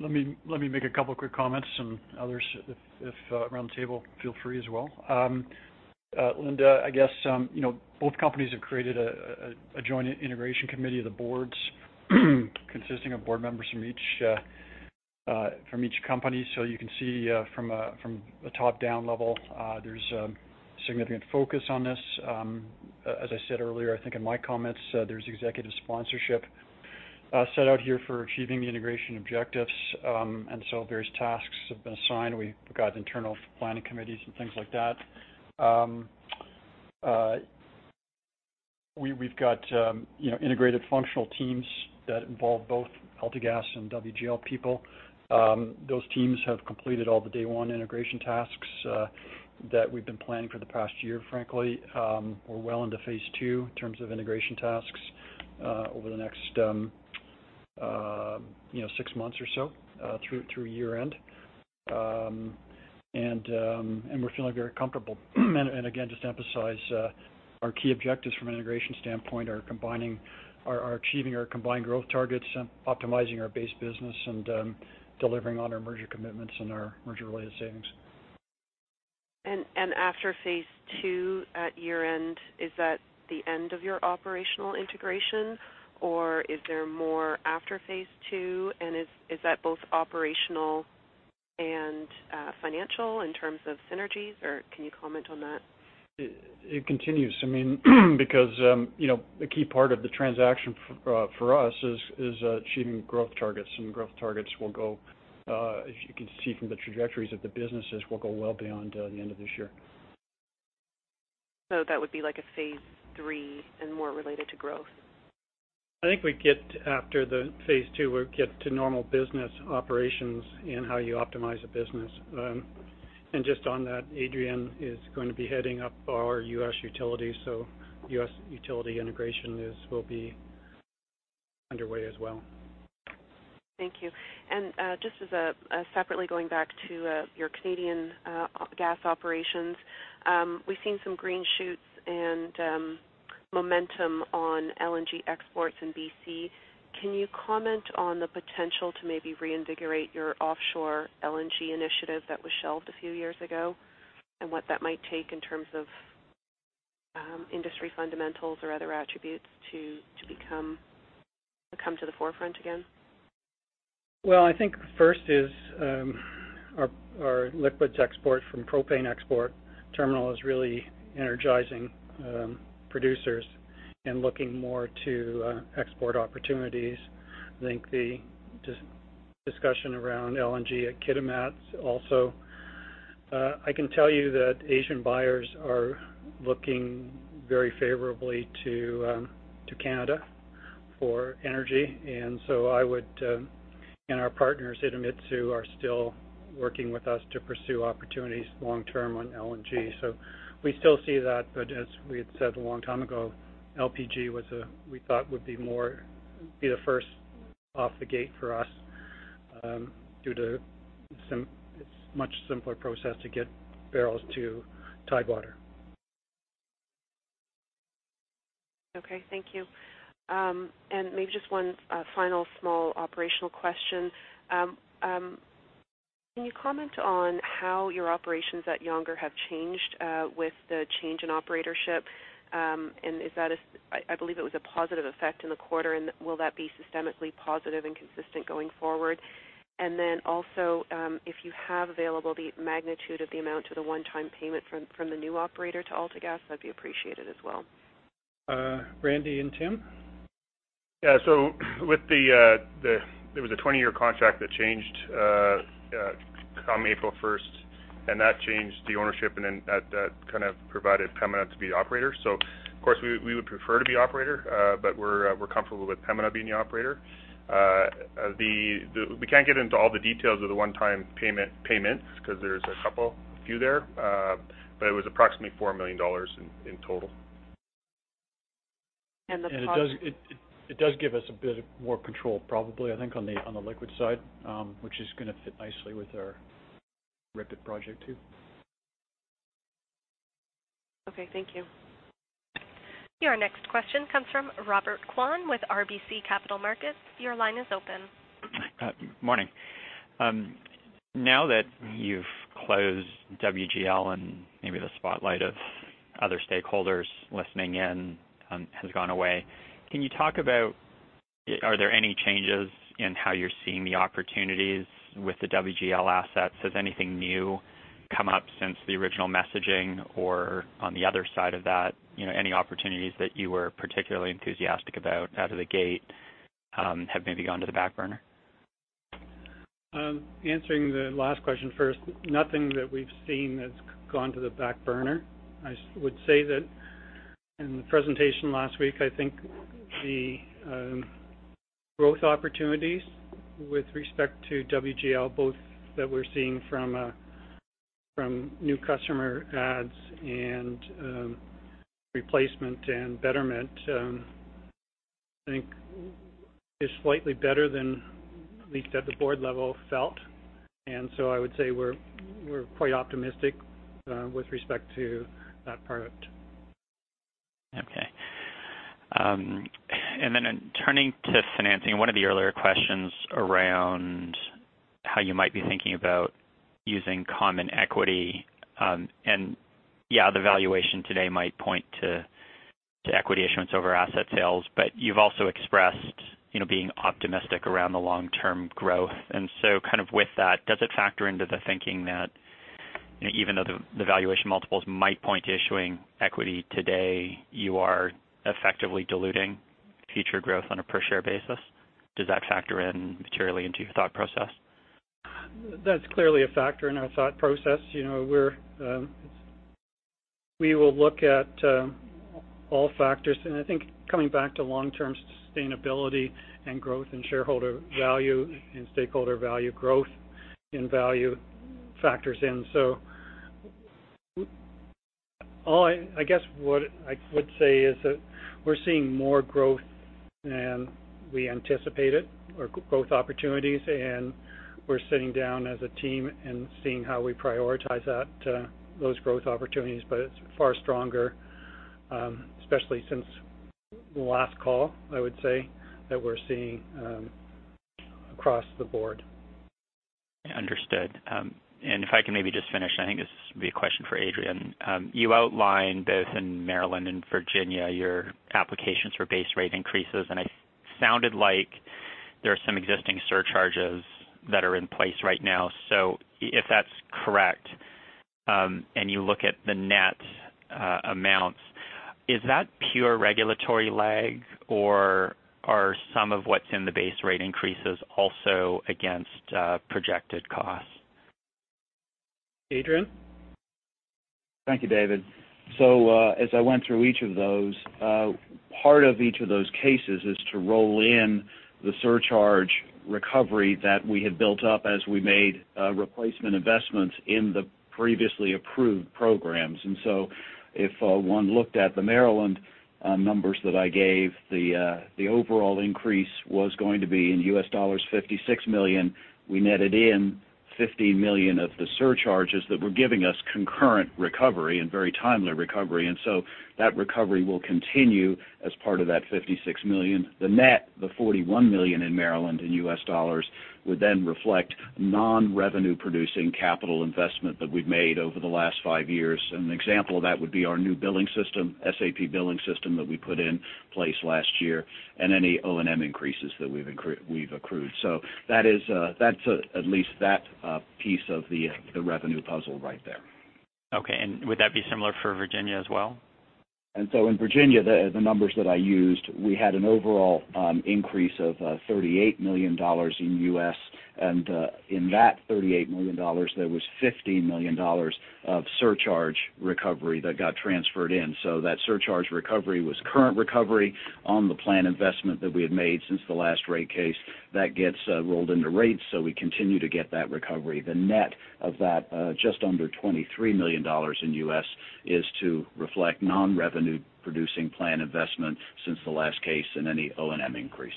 Let me make a couple of quick comments and others around the table, feel free as well. Linda, I guess, both companies have created a joint integration committee of the boards consisting of board members from each company. You can see, from a top-down level, there's a significant focus on this. As I said earlier, I think in my comments, there's executive sponsorship set out here for achieving the integration objectives. Various tasks have been assigned. We've got internal planning committees and things like that. We've got integrated functional teams that involve both AltaGas and WGL people. Those teams have completed all the day one integration tasks that we've been planning for the past year, frankly. We're well into phase 2 in terms of integration tasks, over the next six months or so, through year-end. We're feeling very comfortable. Again, just to emphasize, our key objectives from an integration standpoint are achieving our combined growth targets, optimizing our base business, and delivering on our merger commitments and our merger-related savings. After phase 2 at year-end, is that the end of your operational integration, or is there more after phase 2? Is that both operational and financial in terms of synergies, or can you comment on that? It continues, because the key part of the transaction for us is achieving growth targets. Growth targets, as you can see from the trajectories of the businesses, will go well beyond the end of this year. That would be like a phase 3 and more related to growth. I think after phase 2, we'll get to normal business operations and how you optimize a business. Just on that, Adrian is going to be heading up our U.S. utility, U.S. utility integration will be underway as well. Thank you. Just as separately going back to your Canadian gas operations, we've seen some green shoots and momentum on LNG exports in B.C. Can you comment on the potential to maybe reinvigorate your offshore LNG initiative that was shelved a few years ago, and what that might take in terms of industry fundamentals or other attributes to come to the forefront again? Well, I think first is our liquids export from propane export terminal is really energizing producers and looking more to export opportunities. I think the discussion around LNG at Kitimat also. I can tell you that Asian buyers are looking very favorably to Canada for energy. Our partners at Mitsui are still working with us to pursue opportunities long-term on LNG. We still see that, but as we had said a long time ago, LPG, we thought, would be the first off the gate for us due to the much simpler process to get barrels to Tidewater. Okay. Thank you. Maybe just one final small operational question. Can you comment on how your operations at Younger have changed with the change in operatorship? I believe it was a positive effect in the quarter, and will that be systemically positive and consistent going forward? Also, if you have available the magnitude of the amount to the one-time payment from the new operator to AltaGas, that'd be appreciated as well. Randy and Tim? Yeah. There was a 20-year contract that changed come April 1st. That changed the ownership and that kind of provided Pembina to be the operator. Of course, we would prefer to be operator, but we're comfortable with Pembina being the operator. We can't get into all the details of the one-time payments because there's a few there, but it was approximately 4 million dollars in total. And the- It does give us a bit more control, probably, I think, on the liquid side, which is going to fit nicely with our RIPET project too. Okay. Thank you. Your next question comes from Robert Kwan with RBC Capital Markets. Your line is open. Morning. Now that you've closed WGL and maybe the spotlight of other stakeholders listening in has gone away, can you talk about, are there any changes in how you're seeing the opportunities with the WGL assets? Has anything new come up since the original messaging? On the other side of that, any opportunities that you were particularly enthusiastic about out of the gate have maybe gone to the back burner? Answering the last question first, nothing that we've seen has gone to the back burner. I would say that in the presentation last week, I think the growth opportunities with respect to WGL, both that we're seeing from new customer adds and replacement and betterment, I think is slightly better than at least at the board level felt. I would say we're quite optimistic with respect to that part. Okay. Turning to financing, one of the earlier questions around how you might be thinking about using common equity. Yeah, the valuation today might point to equity issuance over asset sales, but you've also expressed being optimistic around the long-term growth. Kind of with that, does it factor into the thinking that even though the valuation multiples might point to issuing equity today, you are effectively diluting future growth on a per share basis? Does that factor in materially into your thought process? That's clearly a factor in our thought process. We will look at all factors and I think coming back to long-term sustainability and growth in shareholder value and stakeholder value growth in value factors in. All I guess what I would say is that we're seeing more growth than we anticipated or growth opportunities, and we're sitting down as a team and seeing how we prioritize those growth opportunities. It's far stronger, especially since last call, I would say, that we're seeing across the board. Understood. If I can maybe just finish, I think this would be a question for Adrian. You outlined both in Maryland and Virginia, your applications for base rate increases, and it sounded like there are some existing surcharges that are in place right now. If that's correct, and you look at the net amounts, is that pure regulatory lag or are some of what's in the base rate increases also against projected costs? Adrian? Thank you, David. As I went through each of those, part of each of those cases is to roll in the surcharge recovery that we had built up as we made replacement investments in the previously approved programs. If one looked at the Maryland numbers that I gave, the overall increase was going to be in US dollars, $56 million. We netted in $15 million of the surcharges that were giving us concurrent recovery and very timely recovery. That recovery will continue as part of that $56 million. The net, the $41 million in Maryland in US dollars, would then reflect non-revenue producing capital investment that we've made over the last five years. An example of that would be our new billing system, SAP billing system that we put in place last year, and any O&M increases that we've accrued. That's at least that piece of the revenue puzzle right there. Okay. Would that be similar for Virginia as well? In Virginia, the numbers that I used, we had an overall increase of $38 million. In that $38 million, there was $15 million of surcharge recovery that got transferred in. That surcharge recovery was current recovery on the plan investment that we had made since the last rate case. That gets rolled into rates, so we continue to get that recovery. The net of that, just under $23 million, is to reflect non-revenue-producing plan investment since the last case and any O&M increase.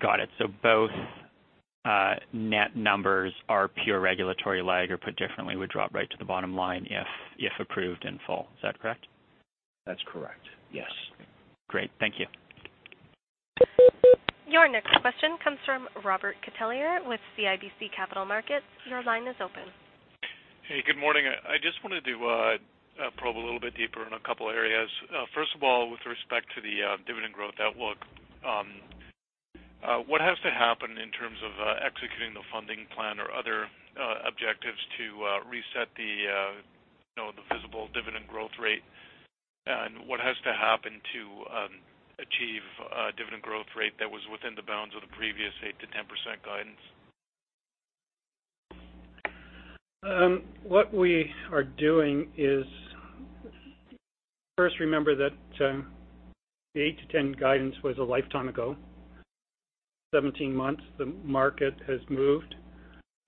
Got it. Both net numbers are pure regulatory lag, or put differently, would drop right to the bottom line if approved in full. Is that correct? That's correct. Yes. Great. Thank you. Your next question comes from Robert Catellier with CIBC Capital Markets. Your line is open. Hey, good morning. I just wanted to probe a little bit deeper in a couple areas. First of all, with respect to the dividend growth outlook, what has to happen in terms of executing the funding plan or other objectives to reset the visible dividend growth rate? What has to happen to achieve a dividend growth rate that was within the bounds of the previous 8% to 10% guidance? What we are doing is, first remember that the 8% to 10% guidance was a lifetime ago. 17 months, the market has moved.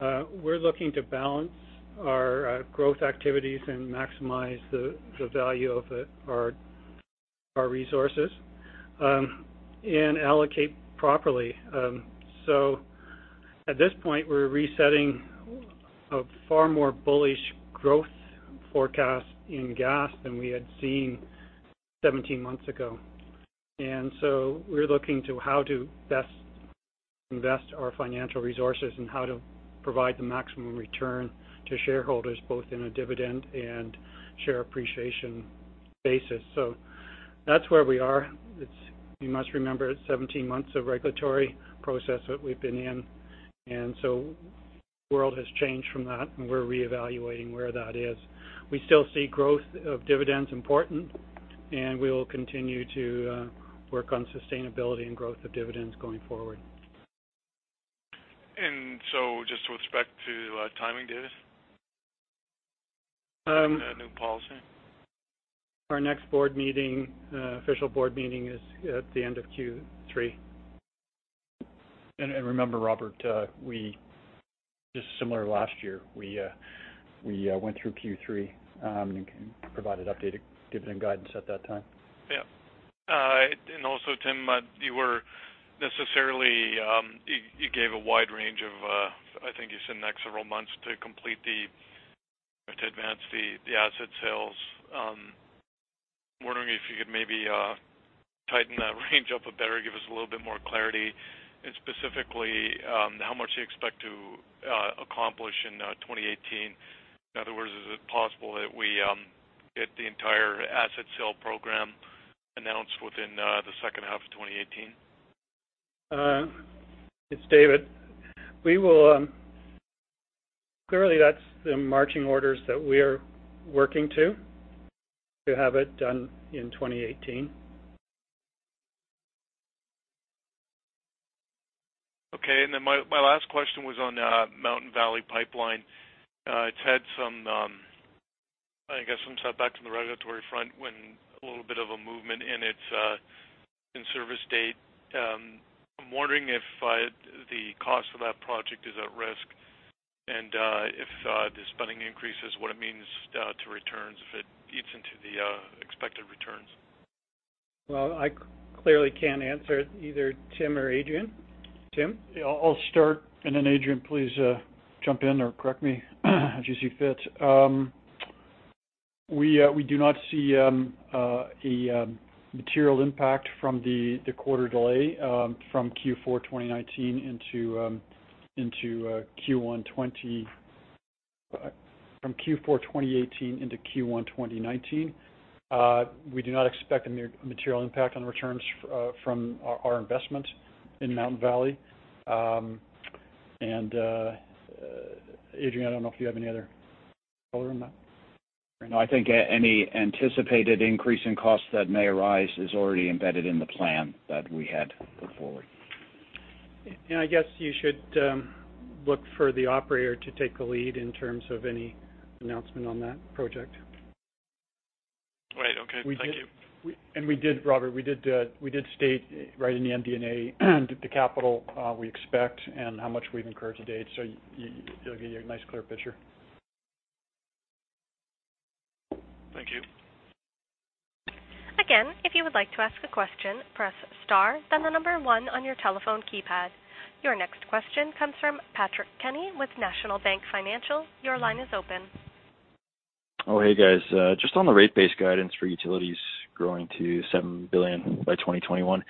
We're looking to balance our growth activities and maximize the value of our resources, and allocate properly. At this point, we're resetting a far more bullish growth forecast in gas than we had seen 17 months ago. We're looking to how to best invest our financial resources and how to provide the maximum return to shareholders, both in a dividend and share appreciation basis. That's where we are. You must remember, it's 17 months of regulatory process that we've been in, and so world has changed from that, and we're reevaluating where that is. We still see growth of dividends important, and we will continue to work on sustainability and growth of dividends going forward. Just with respect to timing, David, the new policy? Our next official board meeting is at the end of Q3. Remember, Robert, just similar last year, we went through Q3, and provided updated dividend guidance at that time. Yep. Also, Tim, you gave a wide range of, I think you said next several months to advance the asset sales. I'm wondering if you could maybe tighten that range up a bit or give us a little bit more clarity, and specifically, how much you expect to accomplish in 2018. In other words, is it possible that we get the entire asset sale program announced within the second half of 2018? It's David. Clearly, that's the marching orders that we are working to have it done in 2018. My last question was on Mountain Valley Pipeline. It's had some, I guess, some setbacks on the regulatory front when a little bit of a movement in its in-service date. I'm wondering if the cost of that project is at risk, and if the spending increases, what it means to returns, if it eats into the expected returns. Well, I clearly can't answer. Either Tim or Adrian. Tim? Yeah, I'll start, Adrian, please jump in or correct me as you see fit. We do not see a material impact from the quarter delay from Q4 2018 into Q1 2019. We do not expect a material impact on returns from our investment in Mountain Valley. Adrian, I don't know if you have any other color on that. No, I think any anticipated increase in cost that may arise is already embedded in the plan that we had put forward. I guess you should look for the operator to take the lead in terms of any announcement on that project. Right. Okay. Thank you. Robert, we did state right in the MD&A the capital we expect and how much we've incurred to date. You'll get a nice clear picture. Thank you. Again, if you would like to ask a question, press star, then the number one on your telephone keypad. Your next question comes from Patrick Kenny with National Bank Financial. Your line is open. Hey, guys. Just on the rate base guidance for utilities growing to 7 billion by 2021.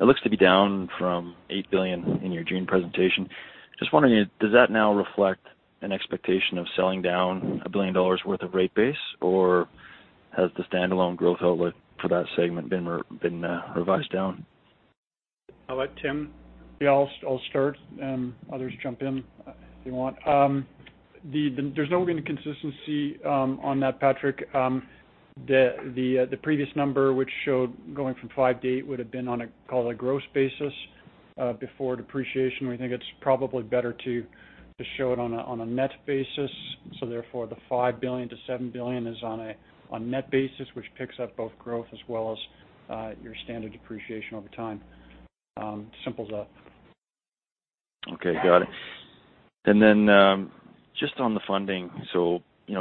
It looks to be down from 8 billion in your June presentation. Just wondering, does that now reflect an expectation of selling down 1 billion dollars worth of rate base, or has the standalone growth outlook for that segment been revised down? I'll let Tim. I'll start, others jump in if they want. There's no inconsistency on that, Patrick. The previous number, which showed going from five to eight, would've been on a gross basis before depreciation. We think it's probably better to just show it on a net basis. Therefore, the 5 billion to 7 billion is on net basis, which picks up both growth as well as your standard depreciation over time. Simple as that. Okay, got it. Just on the funding.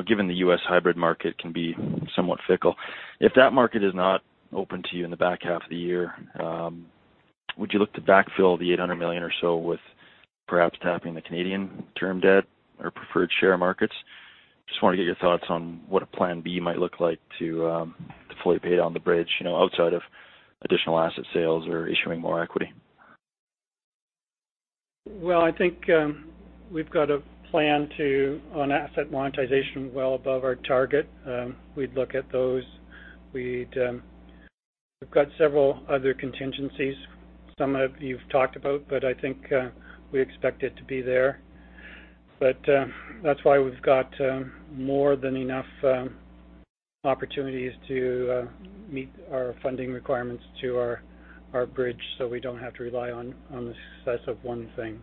Given the U.S. hybrid market can be somewhat fickle, if that market is not open to you in the back half of the year, would you look to backfill the 800 million or so with perhaps tapping the Canadian term debt or preferred share markets? Just want to get your thoughts on what a plan B might look like to fully pay down the bridge, outside of additional asset sales or issuing more equity. Well, I think we've got a plan to on asset monetization well above our target. We'd look at those. We've got several other contingencies, some you've talked about, but I think we expect it to be there. That's why we've got more than enough opportunities to meet our funding requirements to our bridge, so we don't have to rely on the success of one thing.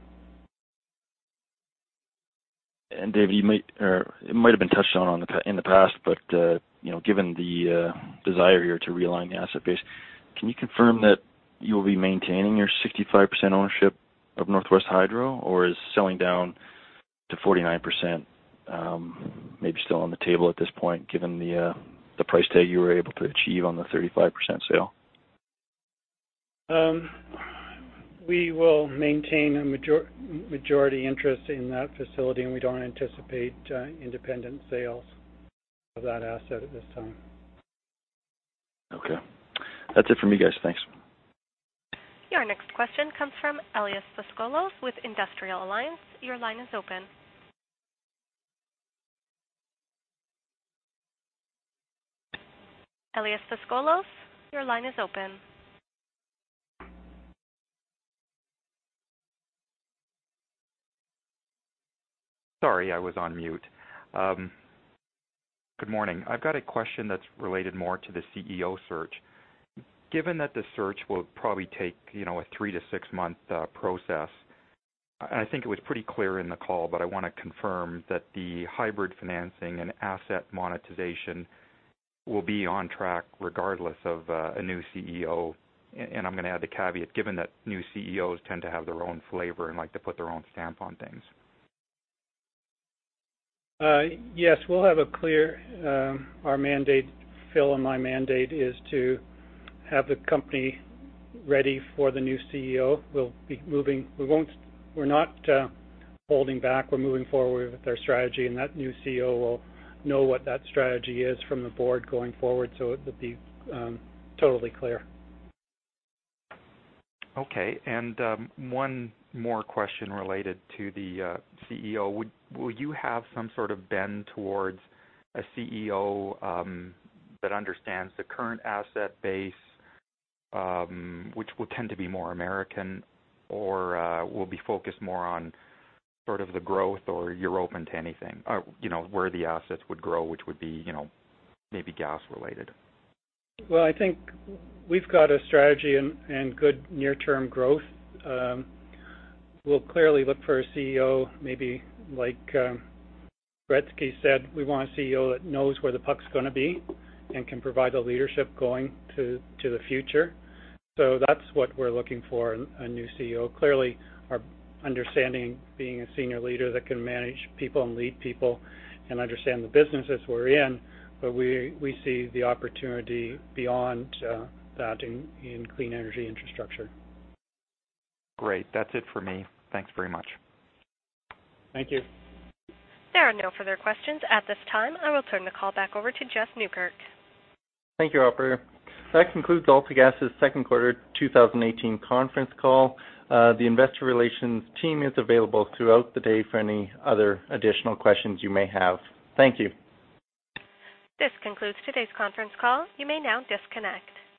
David, it might've been touched on in the past, but given the desire here to realign the asset base, can you confirm that you'll be maintaining your 65% ownership of Northwest Hydro, or is selling down to 49% maybe still on the table at this point, given the price tag you were able to achieve on the 35% sale? We will maintain a majority interest in that facility, and we don't anticipate independent sales of that asset at this time. Okay. That's it from me, guys. Thanks. Your next question comes from Elias Foscolos with Industrial Alliance. Your line is open. Elias Foscolos, your line is open. Sorry, I was on mute. Good morning. I've got a question that's related more to the CEO search. Given that the search will probably take a 3 to 6-month process, I think it was pretty clear in the call, but I want to confirm that the hybrid financing and asset monetization will be on track regardless of a new CEO. I'm going to add the caveat, given that new CEOs tend to have their own flavor and like to put their own stamp on things. Yes, we'll have a clear Our mandate, Phil, and my mandate is to have the company ready for the new CEO. We're not holding back. We're moving forward with our strategy. That new CEO will know what that strategy is from the board going forward, so it will be totally clear. Okay, one more question related to the CEO. Will you have some sort of bent towards a CEO that understands the current asset base, which would tend to be more American, or will be focused more on sort of the growth, or you're open to anything? Or where the assets would grow, which would be maybe gas-related? Well, I think we've got a strategy and good near-term growth. We'll clearly look for a CEO, maybe like Gretzky said, we want a CEO that knows where the puck's going to be and can provide the leadership going to the future. That's what we're looking for in a new CEO. Clearly, our understanding, being a senior leader that can manage people and lead people and understand the businesses we're in, but we see the opportunity beyond that in clean energy infrastructure. Great. That's it for me. Thanks very much. Thank you. There are no further questions at this time. I will turn the call back over to Jess Nieukerk. Thank you, operator. That concludes AltaGas's second quarter 2018 conference call. The investor relations team is available throughout the day for any other additional questions you may have. Thank you. This concludes today's conference call. You may now disconnect.